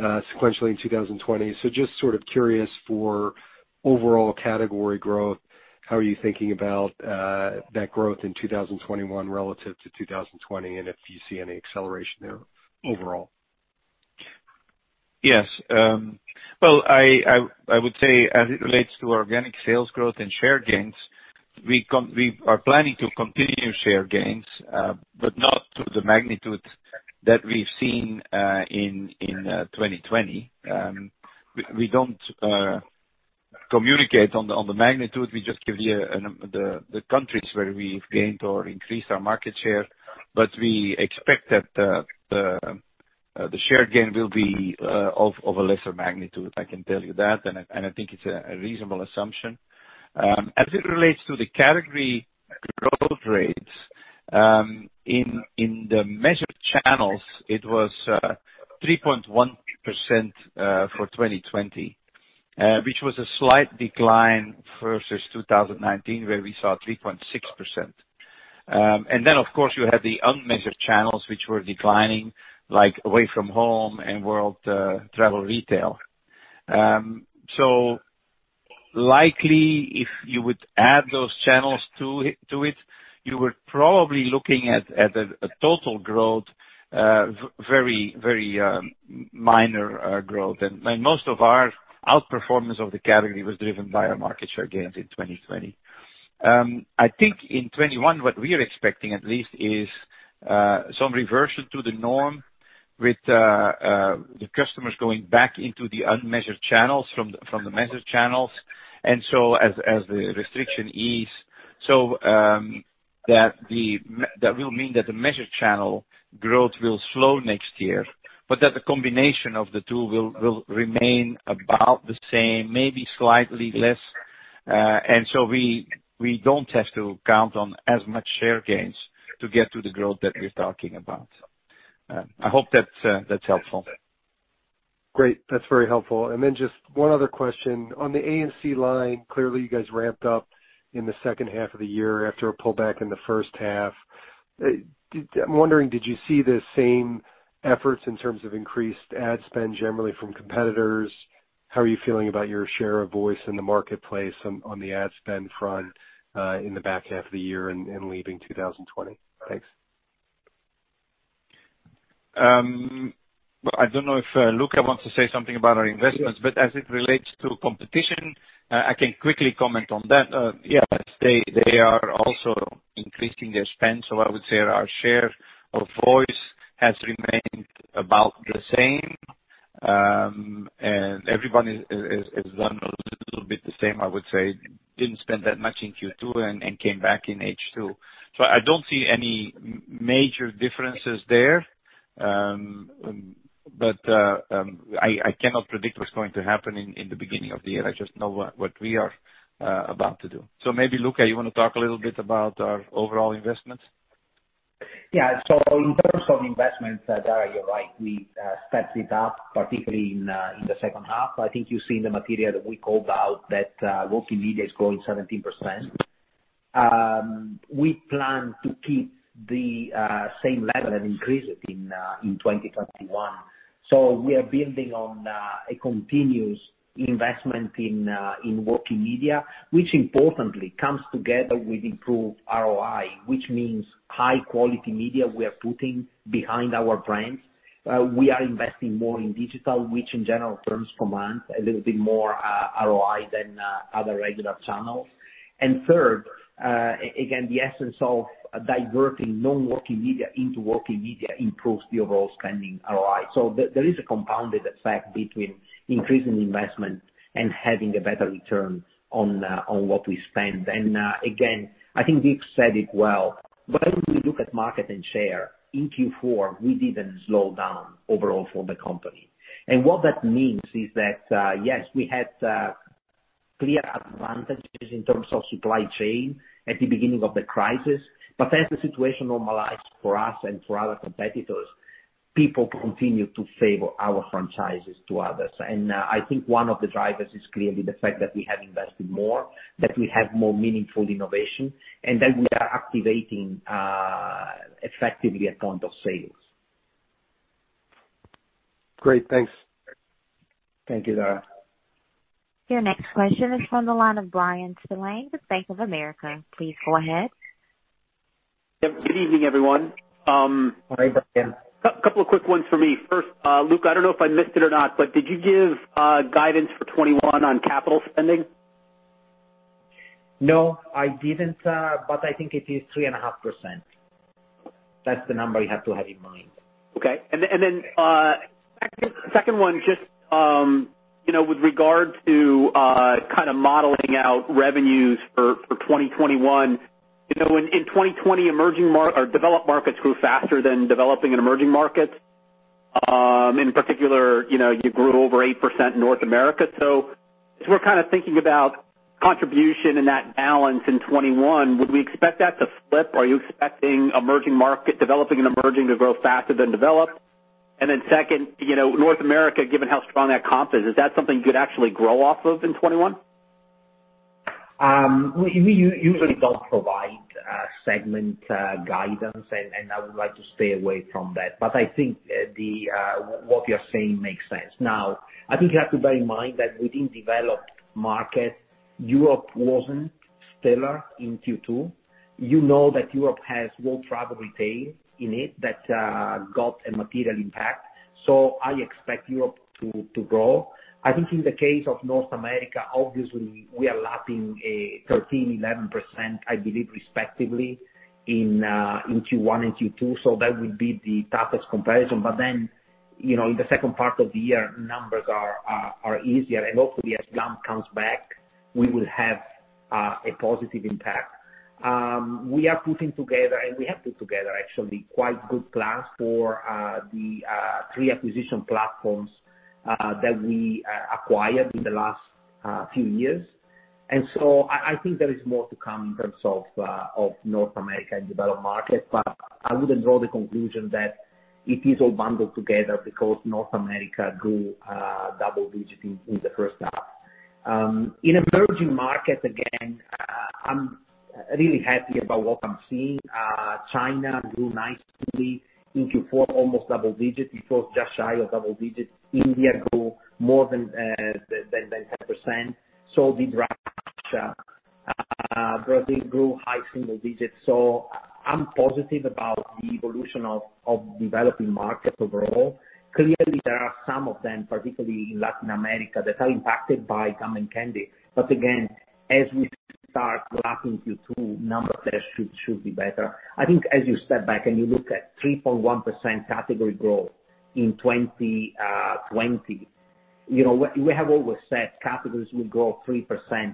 sequentially in 2020. Just sort of curious for overall category growth, how are you thinking about that growth in 2021 relative to 2020, and if you see any acceleration there overall? Yes. Well, I would say as it relates to organic sales growth and share gains, we are planning to continue share gains, not to the magnitude that we've seen in 2020. We don't communicate on the magnitude, we just give you the countries where we've gained or increased our market share. We expect that the share gain will be of a lesser magnitude, I can tell you that, and I think it's a reasonable assumption. As it relates to the category growth rates, in the measured channels, it was 3.1% for 2020, which was a slight decline versus 2019 where we saw 3.6%. Of course, you had the unmeasured channels, which were declining, like Away From Home and world travel retail. Likely, if you would add those channels to it, you were probably looking at a total growth, very minor growth. Most of our outperformance of the category was driven by our market share gains in 2020. I think in 2021, what we are expecting at least, is some reversion to the norm with the customers going back into the unmeasured channels from the measured channels. As the restriction ease, so that will mean that the measured channel growth will slow next year, but the combination of the two will remain about the same, maybe slightly less. We don't have to count on as much share gains to get to the growth that we're talking about. I hope that's helpful. Great. That's very helpful. Just one other question. On the A&C line, clearly, you guys ramped up in the second half of the year after a pullback in the first half. I'm wondering, did you see the same efforts in terms of increased ad spend generally from competitors? How are you feeling about your share of voice in the marketplace on the ad spend front in the back half of the year and leaving 2020? Thanks. Well, I don't know if Luca wants to say something about our investments, but as it relates to competition, I can quickly comment on that. Yes, they are also increasing their spend. I would say our share of voice has remained about the same. Everybody has done a little bit the same, I would say. Didn't spend that much in Q2 and came back in H2. I don't see any major differences there. I cannot predict what's going to happen in the beginning of the year. I just know what we are about to do. Maybe, Luca, you want to talk a little bit about our overall investments? Yeah. In terms of investments, Dara, you're right. We stepped it up, particularly in the second half. I think you've seen the material that we called out, that working media is growing 17%. We plan to keep the same level and increase it in 2021. We are building on a continuous investment in working media, which importantly, comes together with improved ROI, which means high-quality media we are putting behind our brands. We are investing more in digital, which in general terms, commands a little bit more ROI than other regular channels. Third, again, the essence of diverting non-working media into working media improves the overall spending ROI. There is a compounded effect between increasing investment and having a better return on what we spend. Again, I think Dirk said it well. When we look at market and share, in Q4, we didn't slow down overall for the company. What that means is that, yes, we had clear advantages in terms of supply chain at the beginning of the crisis, but as the situation normalized for us and for other competitors, people continued to favor our franchises to others. I think one of the drivers is clearly the fact that we have invested more, that we have more meaningful innovation, and that we are activating effectively at point of sales. Great. Thanks. Thank you, Dara. Your next question is from the line of Bryan Spillane with Bank of America. Please go ahead. Good evening, everyone. Hi, Bryan. A couple of quick ones for me. First, Luca, I don't know if I missed it or not, did you give guidance for 2021 on capital spending? No, I didn't. I think it is 3.5%. That's the number you have to have in mind. Okay. Second one, just with regard to modeling out revenues for 2021. In 2020, developed markets grew faster than developing and emerging markets. In particular, you grew over 8% in North America. As we're thinking about contribution and that balance in 2021, would we expect that to flip? Are you expecting developing and emerging to grow faster than developed? Second, North America, given how strong that comp is that something you could actually grow off of in 2021? We usually don't provide segment guidance. I would like to stay away from that. I think what you're saying makes sense. I think you have to bear in mind that within Developed Markets, Europe wasn't stellar in Q2. You know that Europe has low travel retail in it that got a material impact. I expect Europe to grow. I think in the case of North America, obviously, we are lapping a 13%, 11%, I believe, respectively in Q1 and Q2. That would be the toughest comparison. In the second part of the year, numbers are easier. Hopefully, as AFH comes back, we will have a positive impact. We are putting together. We have put together actually, quite good plans for the three acquisition platforms that we acquired in the last few years. I think there is more to come in terms of North America and developed markets, but I wouldn't draw the conclusion that it is all bundled together because North America grew double digits in the first half. In Emerging Markets, again, I'm really happy about what I'm seeing. China grew nicely in Q4, almost double digits. It was just shy of double digits. India grew more than 10%, so did Russia. Brazil grew high single digits. I'm positive about the evolution of developing markets overall. Clearly, there are some of them, particularly in Latin America, that are impacted by gum and candy. Again, as we start lapping Q2, numbers there should be better. I think as you step back and you look at 3.1% category growth in 2020, we have always said categories will grow 3%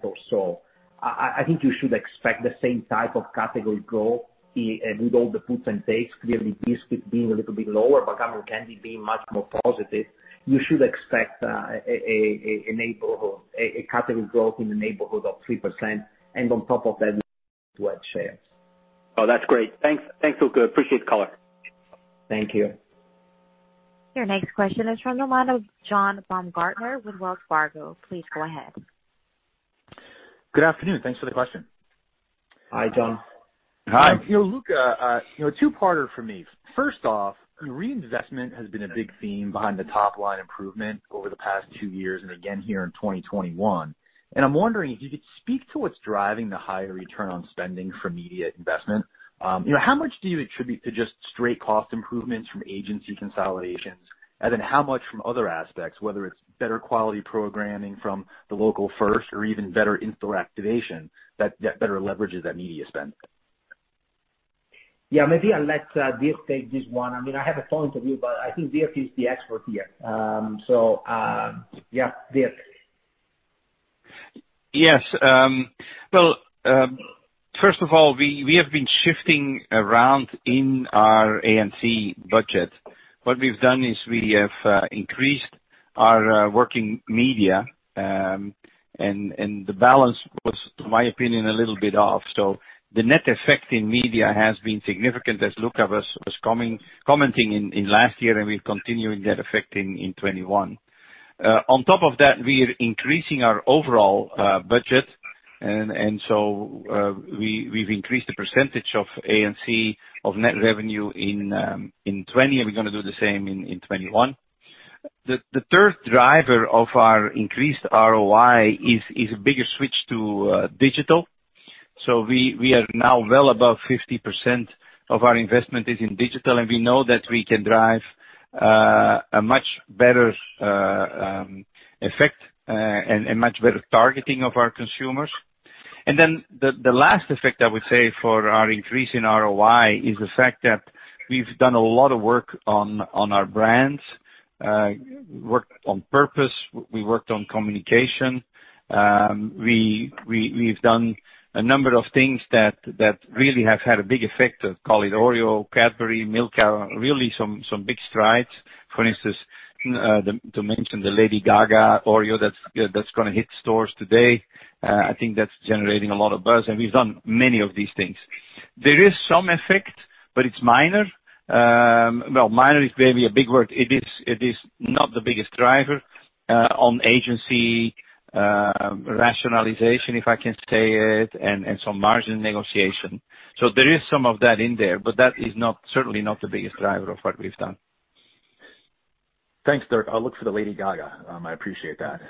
or so. I think you should expect the same type of category growth with all the puts and takes. Clearly, biscuit being a little bit lower, but gum and candy being much more positive. You should expect a category growth in the neighborhood of 3%, and on top of that share. Oh, that's great. Thanks, Luca. Appreciate the color. Thank you. Your next question is from the line of John Baumgartner with Wells Fargo. Please go ahead. Good afternoon. Thanks for the question. Hi, John. Hi. Luca, a two-parter for me. First off, reinvestment has been a big theme behind the top-line improvement over the past two years and again here in 2021. I'm wondering if you could speak to what's driving the higher return on spending for media investment. How much do you attribute to just straight cost improvements from agency consolidations, and then how much from other aspects, whether it's better-quality programming from the local first, or even better in-store activation that better leverages that media spend? Yeah, maybe I'll let Dirk take this one. I have a point of view, but I think Dirk is the expert here. Yeah, Dirk. Yes. Well, first of all, we have been shifting around in our A&C budget. What we've done is we have increased our working media, and the balance was, to my opinion, a little bit off. The net effect in media has been significant, as Luca was commenting in last year, and we're continuing that effect in 2021. On top of that, we are increasing our overall budget, we've increased the percentage of A&C of net revenue in 2020, and we're going to do the same in 2021. The third driver of our increased ROI is a bigger switch to digital. We are now well above 50% of our investment is in digital, and we know that we can drive a much better effect and a much better targeting of our consumers. The last effect, I would say, for our increase in ROI is the fact that we've done a lot of work on our brands, worked on purpose, we worked on communication. We've done a number of things that really have had a big effect of, call it OREO, Cadbury, Milka, really some big strides. For instance, to mention the Lady Gaga x OREO that's going to hit stores today. I think that's generating a lot of buzz, and we've done many of these things. There is some effect, but it's minor. Well, minor is maybe a big word. It is not the biggest driver on agency rationalization, if I can say it, and some margin negotiation. There is some of that in there, but that is certainly not the biggest driver of what we've done. Thanks, Dirk. I'll look for the Lady Gaga. I appreciate that.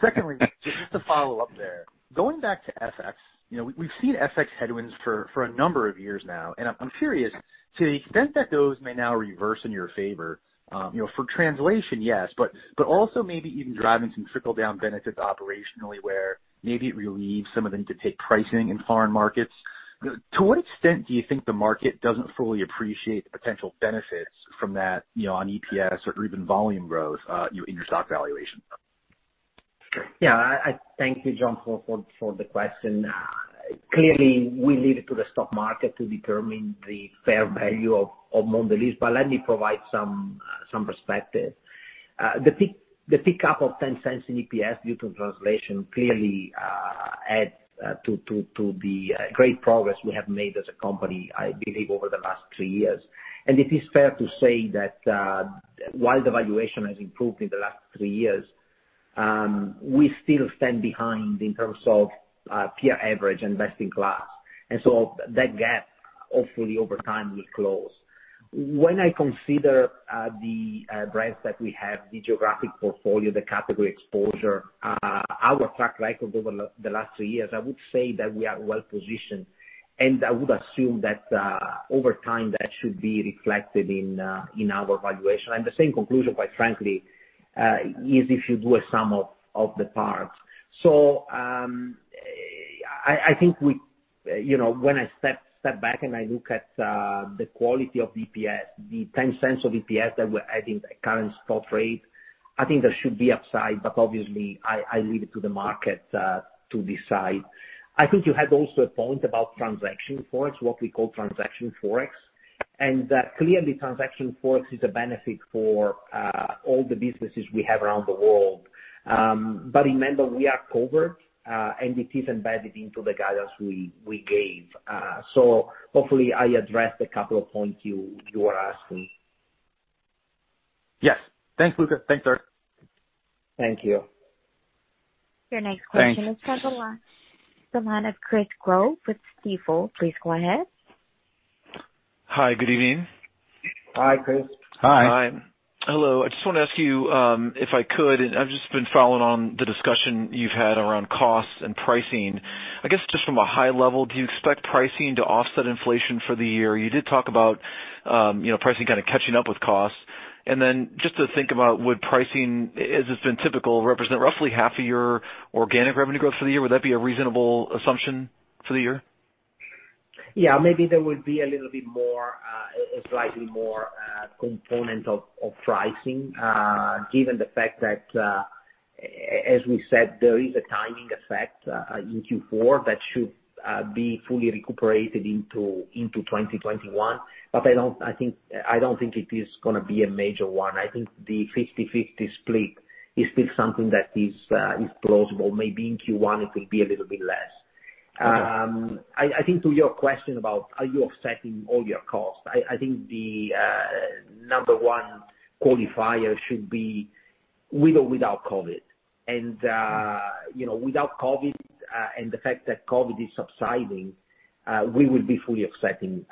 Secondly, just to follow up there, going back to FX, we've seen FX headwinds for a number of years now, and I'm curious to the extent that those may now reverse in your favor. For translation, yes, but also maybe even driving some trickle-down benefits operationally where maybe it relieves some of them to take pricing in foreign markets. To what extent do you think the market doesn't fully appreciate the potential benefits from that on EPS or even volume growth in your stock valuation? Yeah. Thank you, John, for the question. Clearly, we leave it to the stock market to determine the fair value of Mondelēz but let me provide some perspective. The pickup of $0.10 in EPS due to translation clearly adds to the great progress we have made as a company, I believe, over the last three years. It is fair to say that, while the valuation has improved in the last three years, we still stand behind in terms of peer average best-in-class. That gap, hopefully, over time, will close. When I consider the brands that we have, the geographic portfolio, the category exposure, our track record over the last two years, I would say that we are well-positioned, and I would assume that over time, that should be reflected in our valuation. The same conclusion, quite frankly, is if you do a sum of the parts. I think when I step back and I look at the quality of the EPS, the $0.10 of EPS that we're adding at current stock rate, I think there should be upside, but obviously, I leave it to the market to decide. I think you had also a point about the transaction ForEx, what we call transaction ForEx, and clearly, transaction ForEx is a benefit for all the businesses we have around the world. Remember, we are covered, and it is embedded into the guidance we gave. Hopefully, I addressed a couple of points you were asking. Yes. Thanks, Luca. Thanks, Dirk. Thank you. Thanks. Your next question is from the line of Chris Growe with Stifel. Please go ahead. Hi. Good evening. Hi, Chris. Hi. Hi. Hello. I just want to ask you, if I could, I've just been following on the discussion you've had around costs and pricing. I guess, just from a high level, do you expect pricing to offset inflation for the year? You did talk about pricing kind of catching up with costs. Just to think about would pricing, as it's been typical, represent roughly half of your organic revenue growth for the year? Would that be a reasonable assumption for the year? Yeah, maybe there will be a slightly more component of pricing, given the fact that, as we said, there is a timing effect in Q4 that should be fully recuperated into 2021. I don't think it is going to be a major one. I think the 50/50 split is still something that is plausible. Maybe in Q1 it will be a little bit less. Okay. I think to your question about are you offsetting all your costs, I think the number one qualifier should be with or without COVID. Without COVID, and the fact that COVID is subsiding, we will be fully offsetting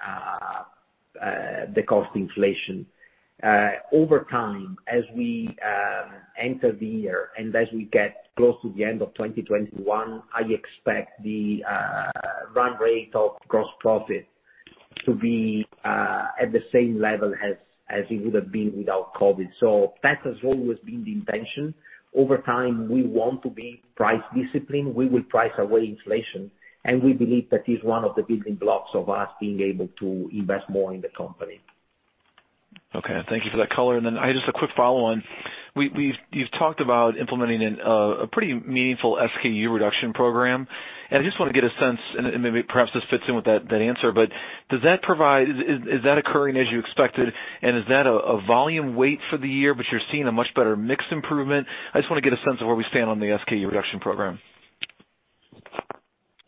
the cost inflation. Over time, as we enter the year, as we get close to the end of 2021, I expect the run rate of gross profit to be at the same level as it would've been without COVID. That has always been the intention. Over time, we want to be price disciplined. We will price away inflation, and we believe that is one of the building blocks of us being able to invest more in the company. Okay. Thank you for that color. Then I just have a quick follow-up. You've talked about implementing a pretty meaningful SKU reduction program. I just want to get a sense, and maybe perhaps this fits in with that answer, but is that occurring as you expected? Is that a volume weight for the year, but you're seeing a much better mix improvement? I just want to get a sense of where we stand on the SKU reduction program.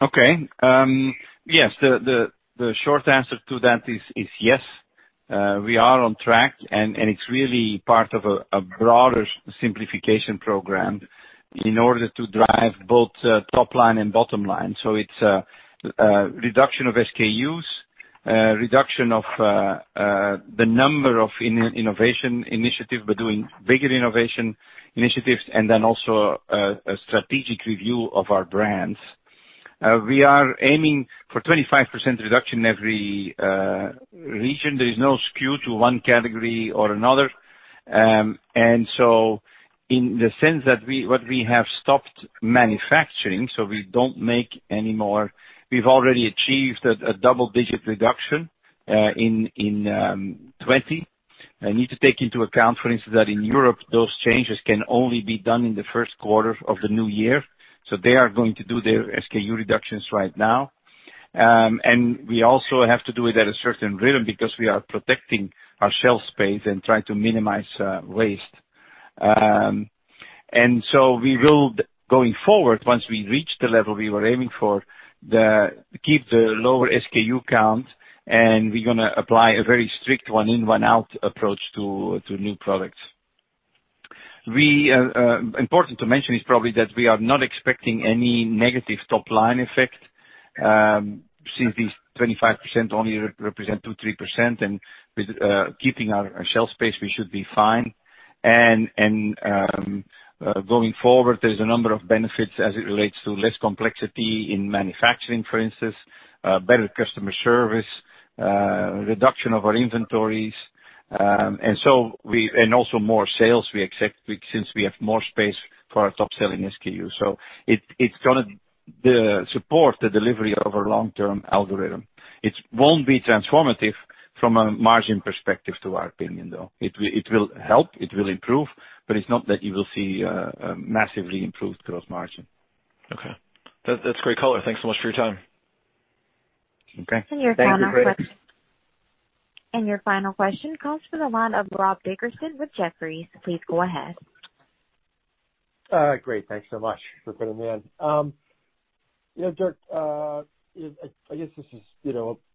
Okay. Yes, the short answer to that is yes. We are on track, and it's really part of a broader simplification program in order to drive both top line and bottom line. It's a reduction of SKUs, a reduction of the number of innovation initiatives. We're doing bigger innovation initiatives and then also a strategic review of our brands. We are aiming for 25% reduction every region. There is no skew to one category or another. In the sense that what we have stopped manufacturing, so we don't make anymore, we've already achieved a double-digit reduction in 2020. Need to take into account, for instance, that in Europe, those changes can only be done in the first quarter of the new year, so they are going to do their SKU reductions right now. We also have to do it at a certain rhythm because we are protecting our shelf space and trying to minimize waste. We will, going forward, once we reach the level we were aiming for, keep the lower SKU count, and we're going to apply a very strict one-in-one-out approach to new products. Important to mention is probably that we are not expecting any negative top-line effect, since these 25% only represent 2%, 3%, and with keeping our shelf space, we should be fine. Going forward, there's a number of benefits as it relates to less complexity in manufacturing, for instance, better customer service, reduction of our inventories, and also more sales we expect, since we have more space for our top-selling SKU. It's going to support the delivery of our long-term algorithm. It won't be transformative from a margin perspective to our opinion, though. It will help. It will improve. It's not that you will see a massively improved gross margin. Okay. That's great color. Thanks so much for your time. Okay. Thank you, Chris. Your final question comes from the line of Rob Dickerson with Jefferies. Please go ahead. Great. Thanks so much for fitting me in. Dirk, I guess this is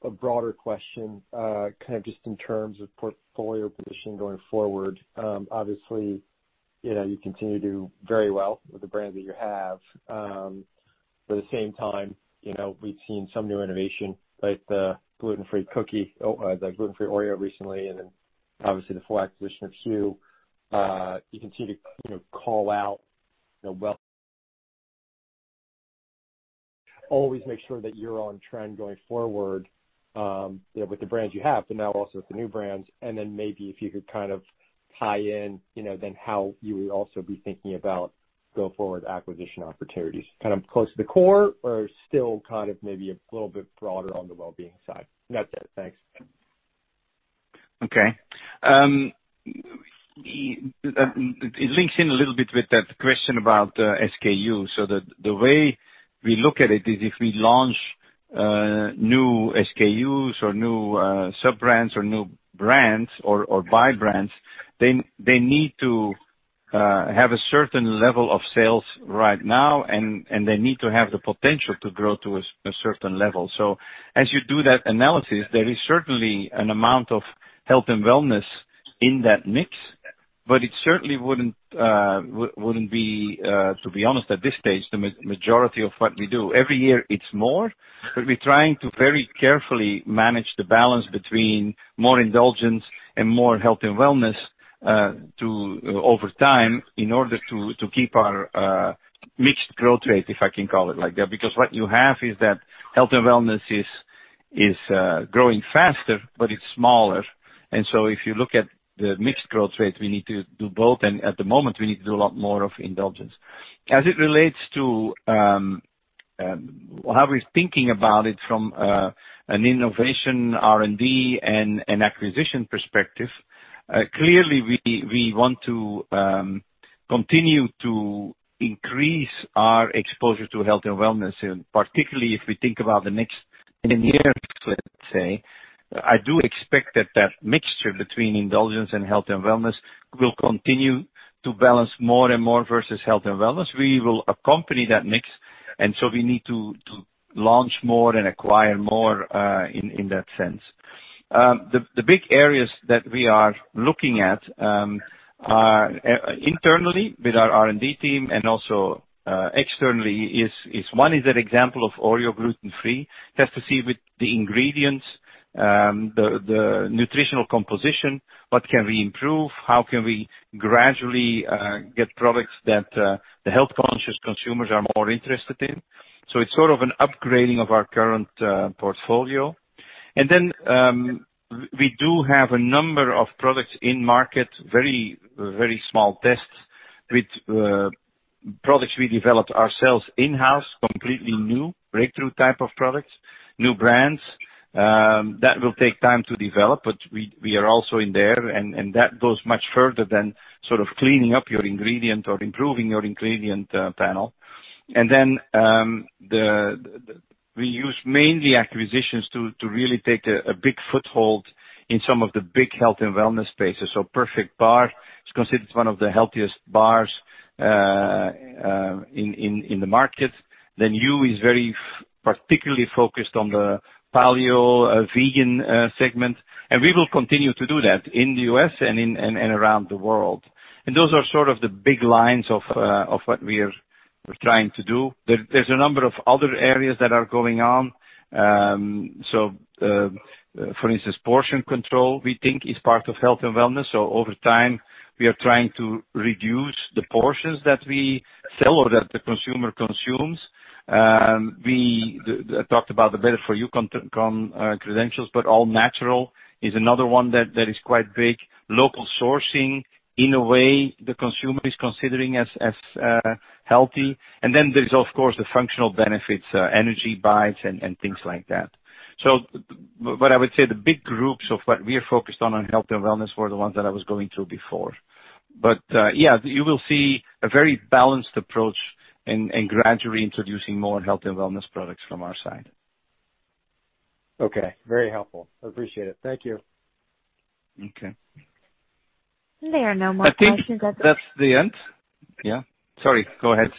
a broader question, kind of just in terms of portfolio position going forward. Obviously, you continue to do very well with the brands that you have. At the same time, we've seen some new innovation, like the gluten-free cookie, the gluten-free OREO recently, and then obviously the full acquisition of Hu. You continue to call out well, always make sure that you're on trend going forward with the brands you have, but now also with the new brands, and then maybe if you could kind of tie in, then how you would also be thinking about go-forward acquisition opportunities, kind of close to the core or still kind of maybe a little bit broader on the wellbeing side. That's it. Thanks. Okay. It links in a little bit with that question about SKU. The way we look at it is if we launch new SKUs or new sub-brands or new brands or buy brands, they need to have a certain level of sales right now, and they need to have the potential to grow to a certain level. As you do that analysis, there is certainly an amount of health and wellness in that mix, but it certainly wouldn't be, to be honest, at this stage, the majority of what we do. Every year, it's more, but we're trying to very carefully manage the balance between more indulgence and more health and wellness over time in order to keep our mixed growth rate, if I can call it like that. What you have is that health and wellness is growing faster, but it's smaller. If you look at the mixed growth rate, we need to do both, and at the moment, we need to do a lot more of indulgence. As it relates to how we're thinking about it from an innovation, R&D, and acquisition perspective, clearly, we want to continue to increase our exposure to health and wellness. Particularly if we think about the next 10 years, let's say, I do expect that that mixture between indulgence and health and wellness will continue to balance more and more versus health and wellness. We will accompany that mix, we need to launch more and acquire more in that sense. The big areas that we are looking at are internally with our R&D team and also externally is, one is an example of OREO gluten-free. It has to see with the ingredients, the nutritional composition, what can we improve, how can we gradually get products that the health-conscious consumers are more interested in. It's sort of an upgrading of our current portfolio. Then we do have a number of products in market, very small tests with products we developed ourselves in-house, completely new breakthrough type of products, new brands. That will take time to develop, but we are also in there, and that goes much further than sort of cleaning up your ingredient or improving your ingredient panel. Then we use mainly acquisitions to really take a big foothold in some of the big health and wellness spaces. Perfect Bar is considered one of the healthiest bars in the market. Then Hu is very particularly focused on the paleo vegan segment. We will continue to do that in the U.S. and around the world. Those are sort of the big lines of what we're trying to do. There's a number of other areas that are going on. For instance, portion control, we think is part of health and wellness. Over time, we are trying to reduce the portions that we sell or that the consumer consumes. We talked about the better-for-you credentials, but all-natural is another one that is quite big. Local sourcing in a way the consumer is considering as healthy. Then there is, of course, the functional benefits, energy bites and things like that. What I would say, the big groups of what we are focused on in health and wellness were the ones that I was going through before. Yeah, you will see a very balanced approach and gradually introducing more health and wellness products from our side. Okay. Very helpful. I appreciate it. Thank you. Okay. There are no more questions. I think that's the end. Yeah. Sorry. Go ahead.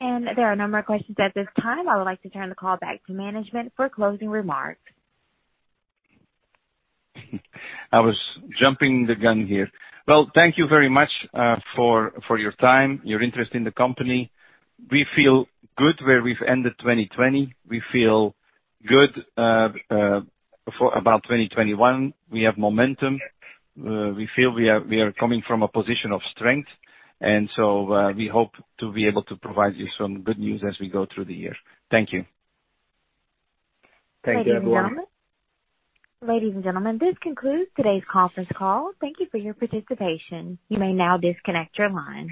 There are no more questions at this time. I would like to turn the call back to management for closing remarks. I was jumping the gun here. Well, thank you very much for your time, your interest in the company. We feel good where we've ended 2020. We feel good about 2021. We have momentum. We feel we are coming from a position of strength, and so we hope to be able to provide you some good news as we go through the year. Thank you. Thank you, everyone. Ladies and gentlemen, this concludes today's conference call. Thank you for your participation. You may now disconnect your lines.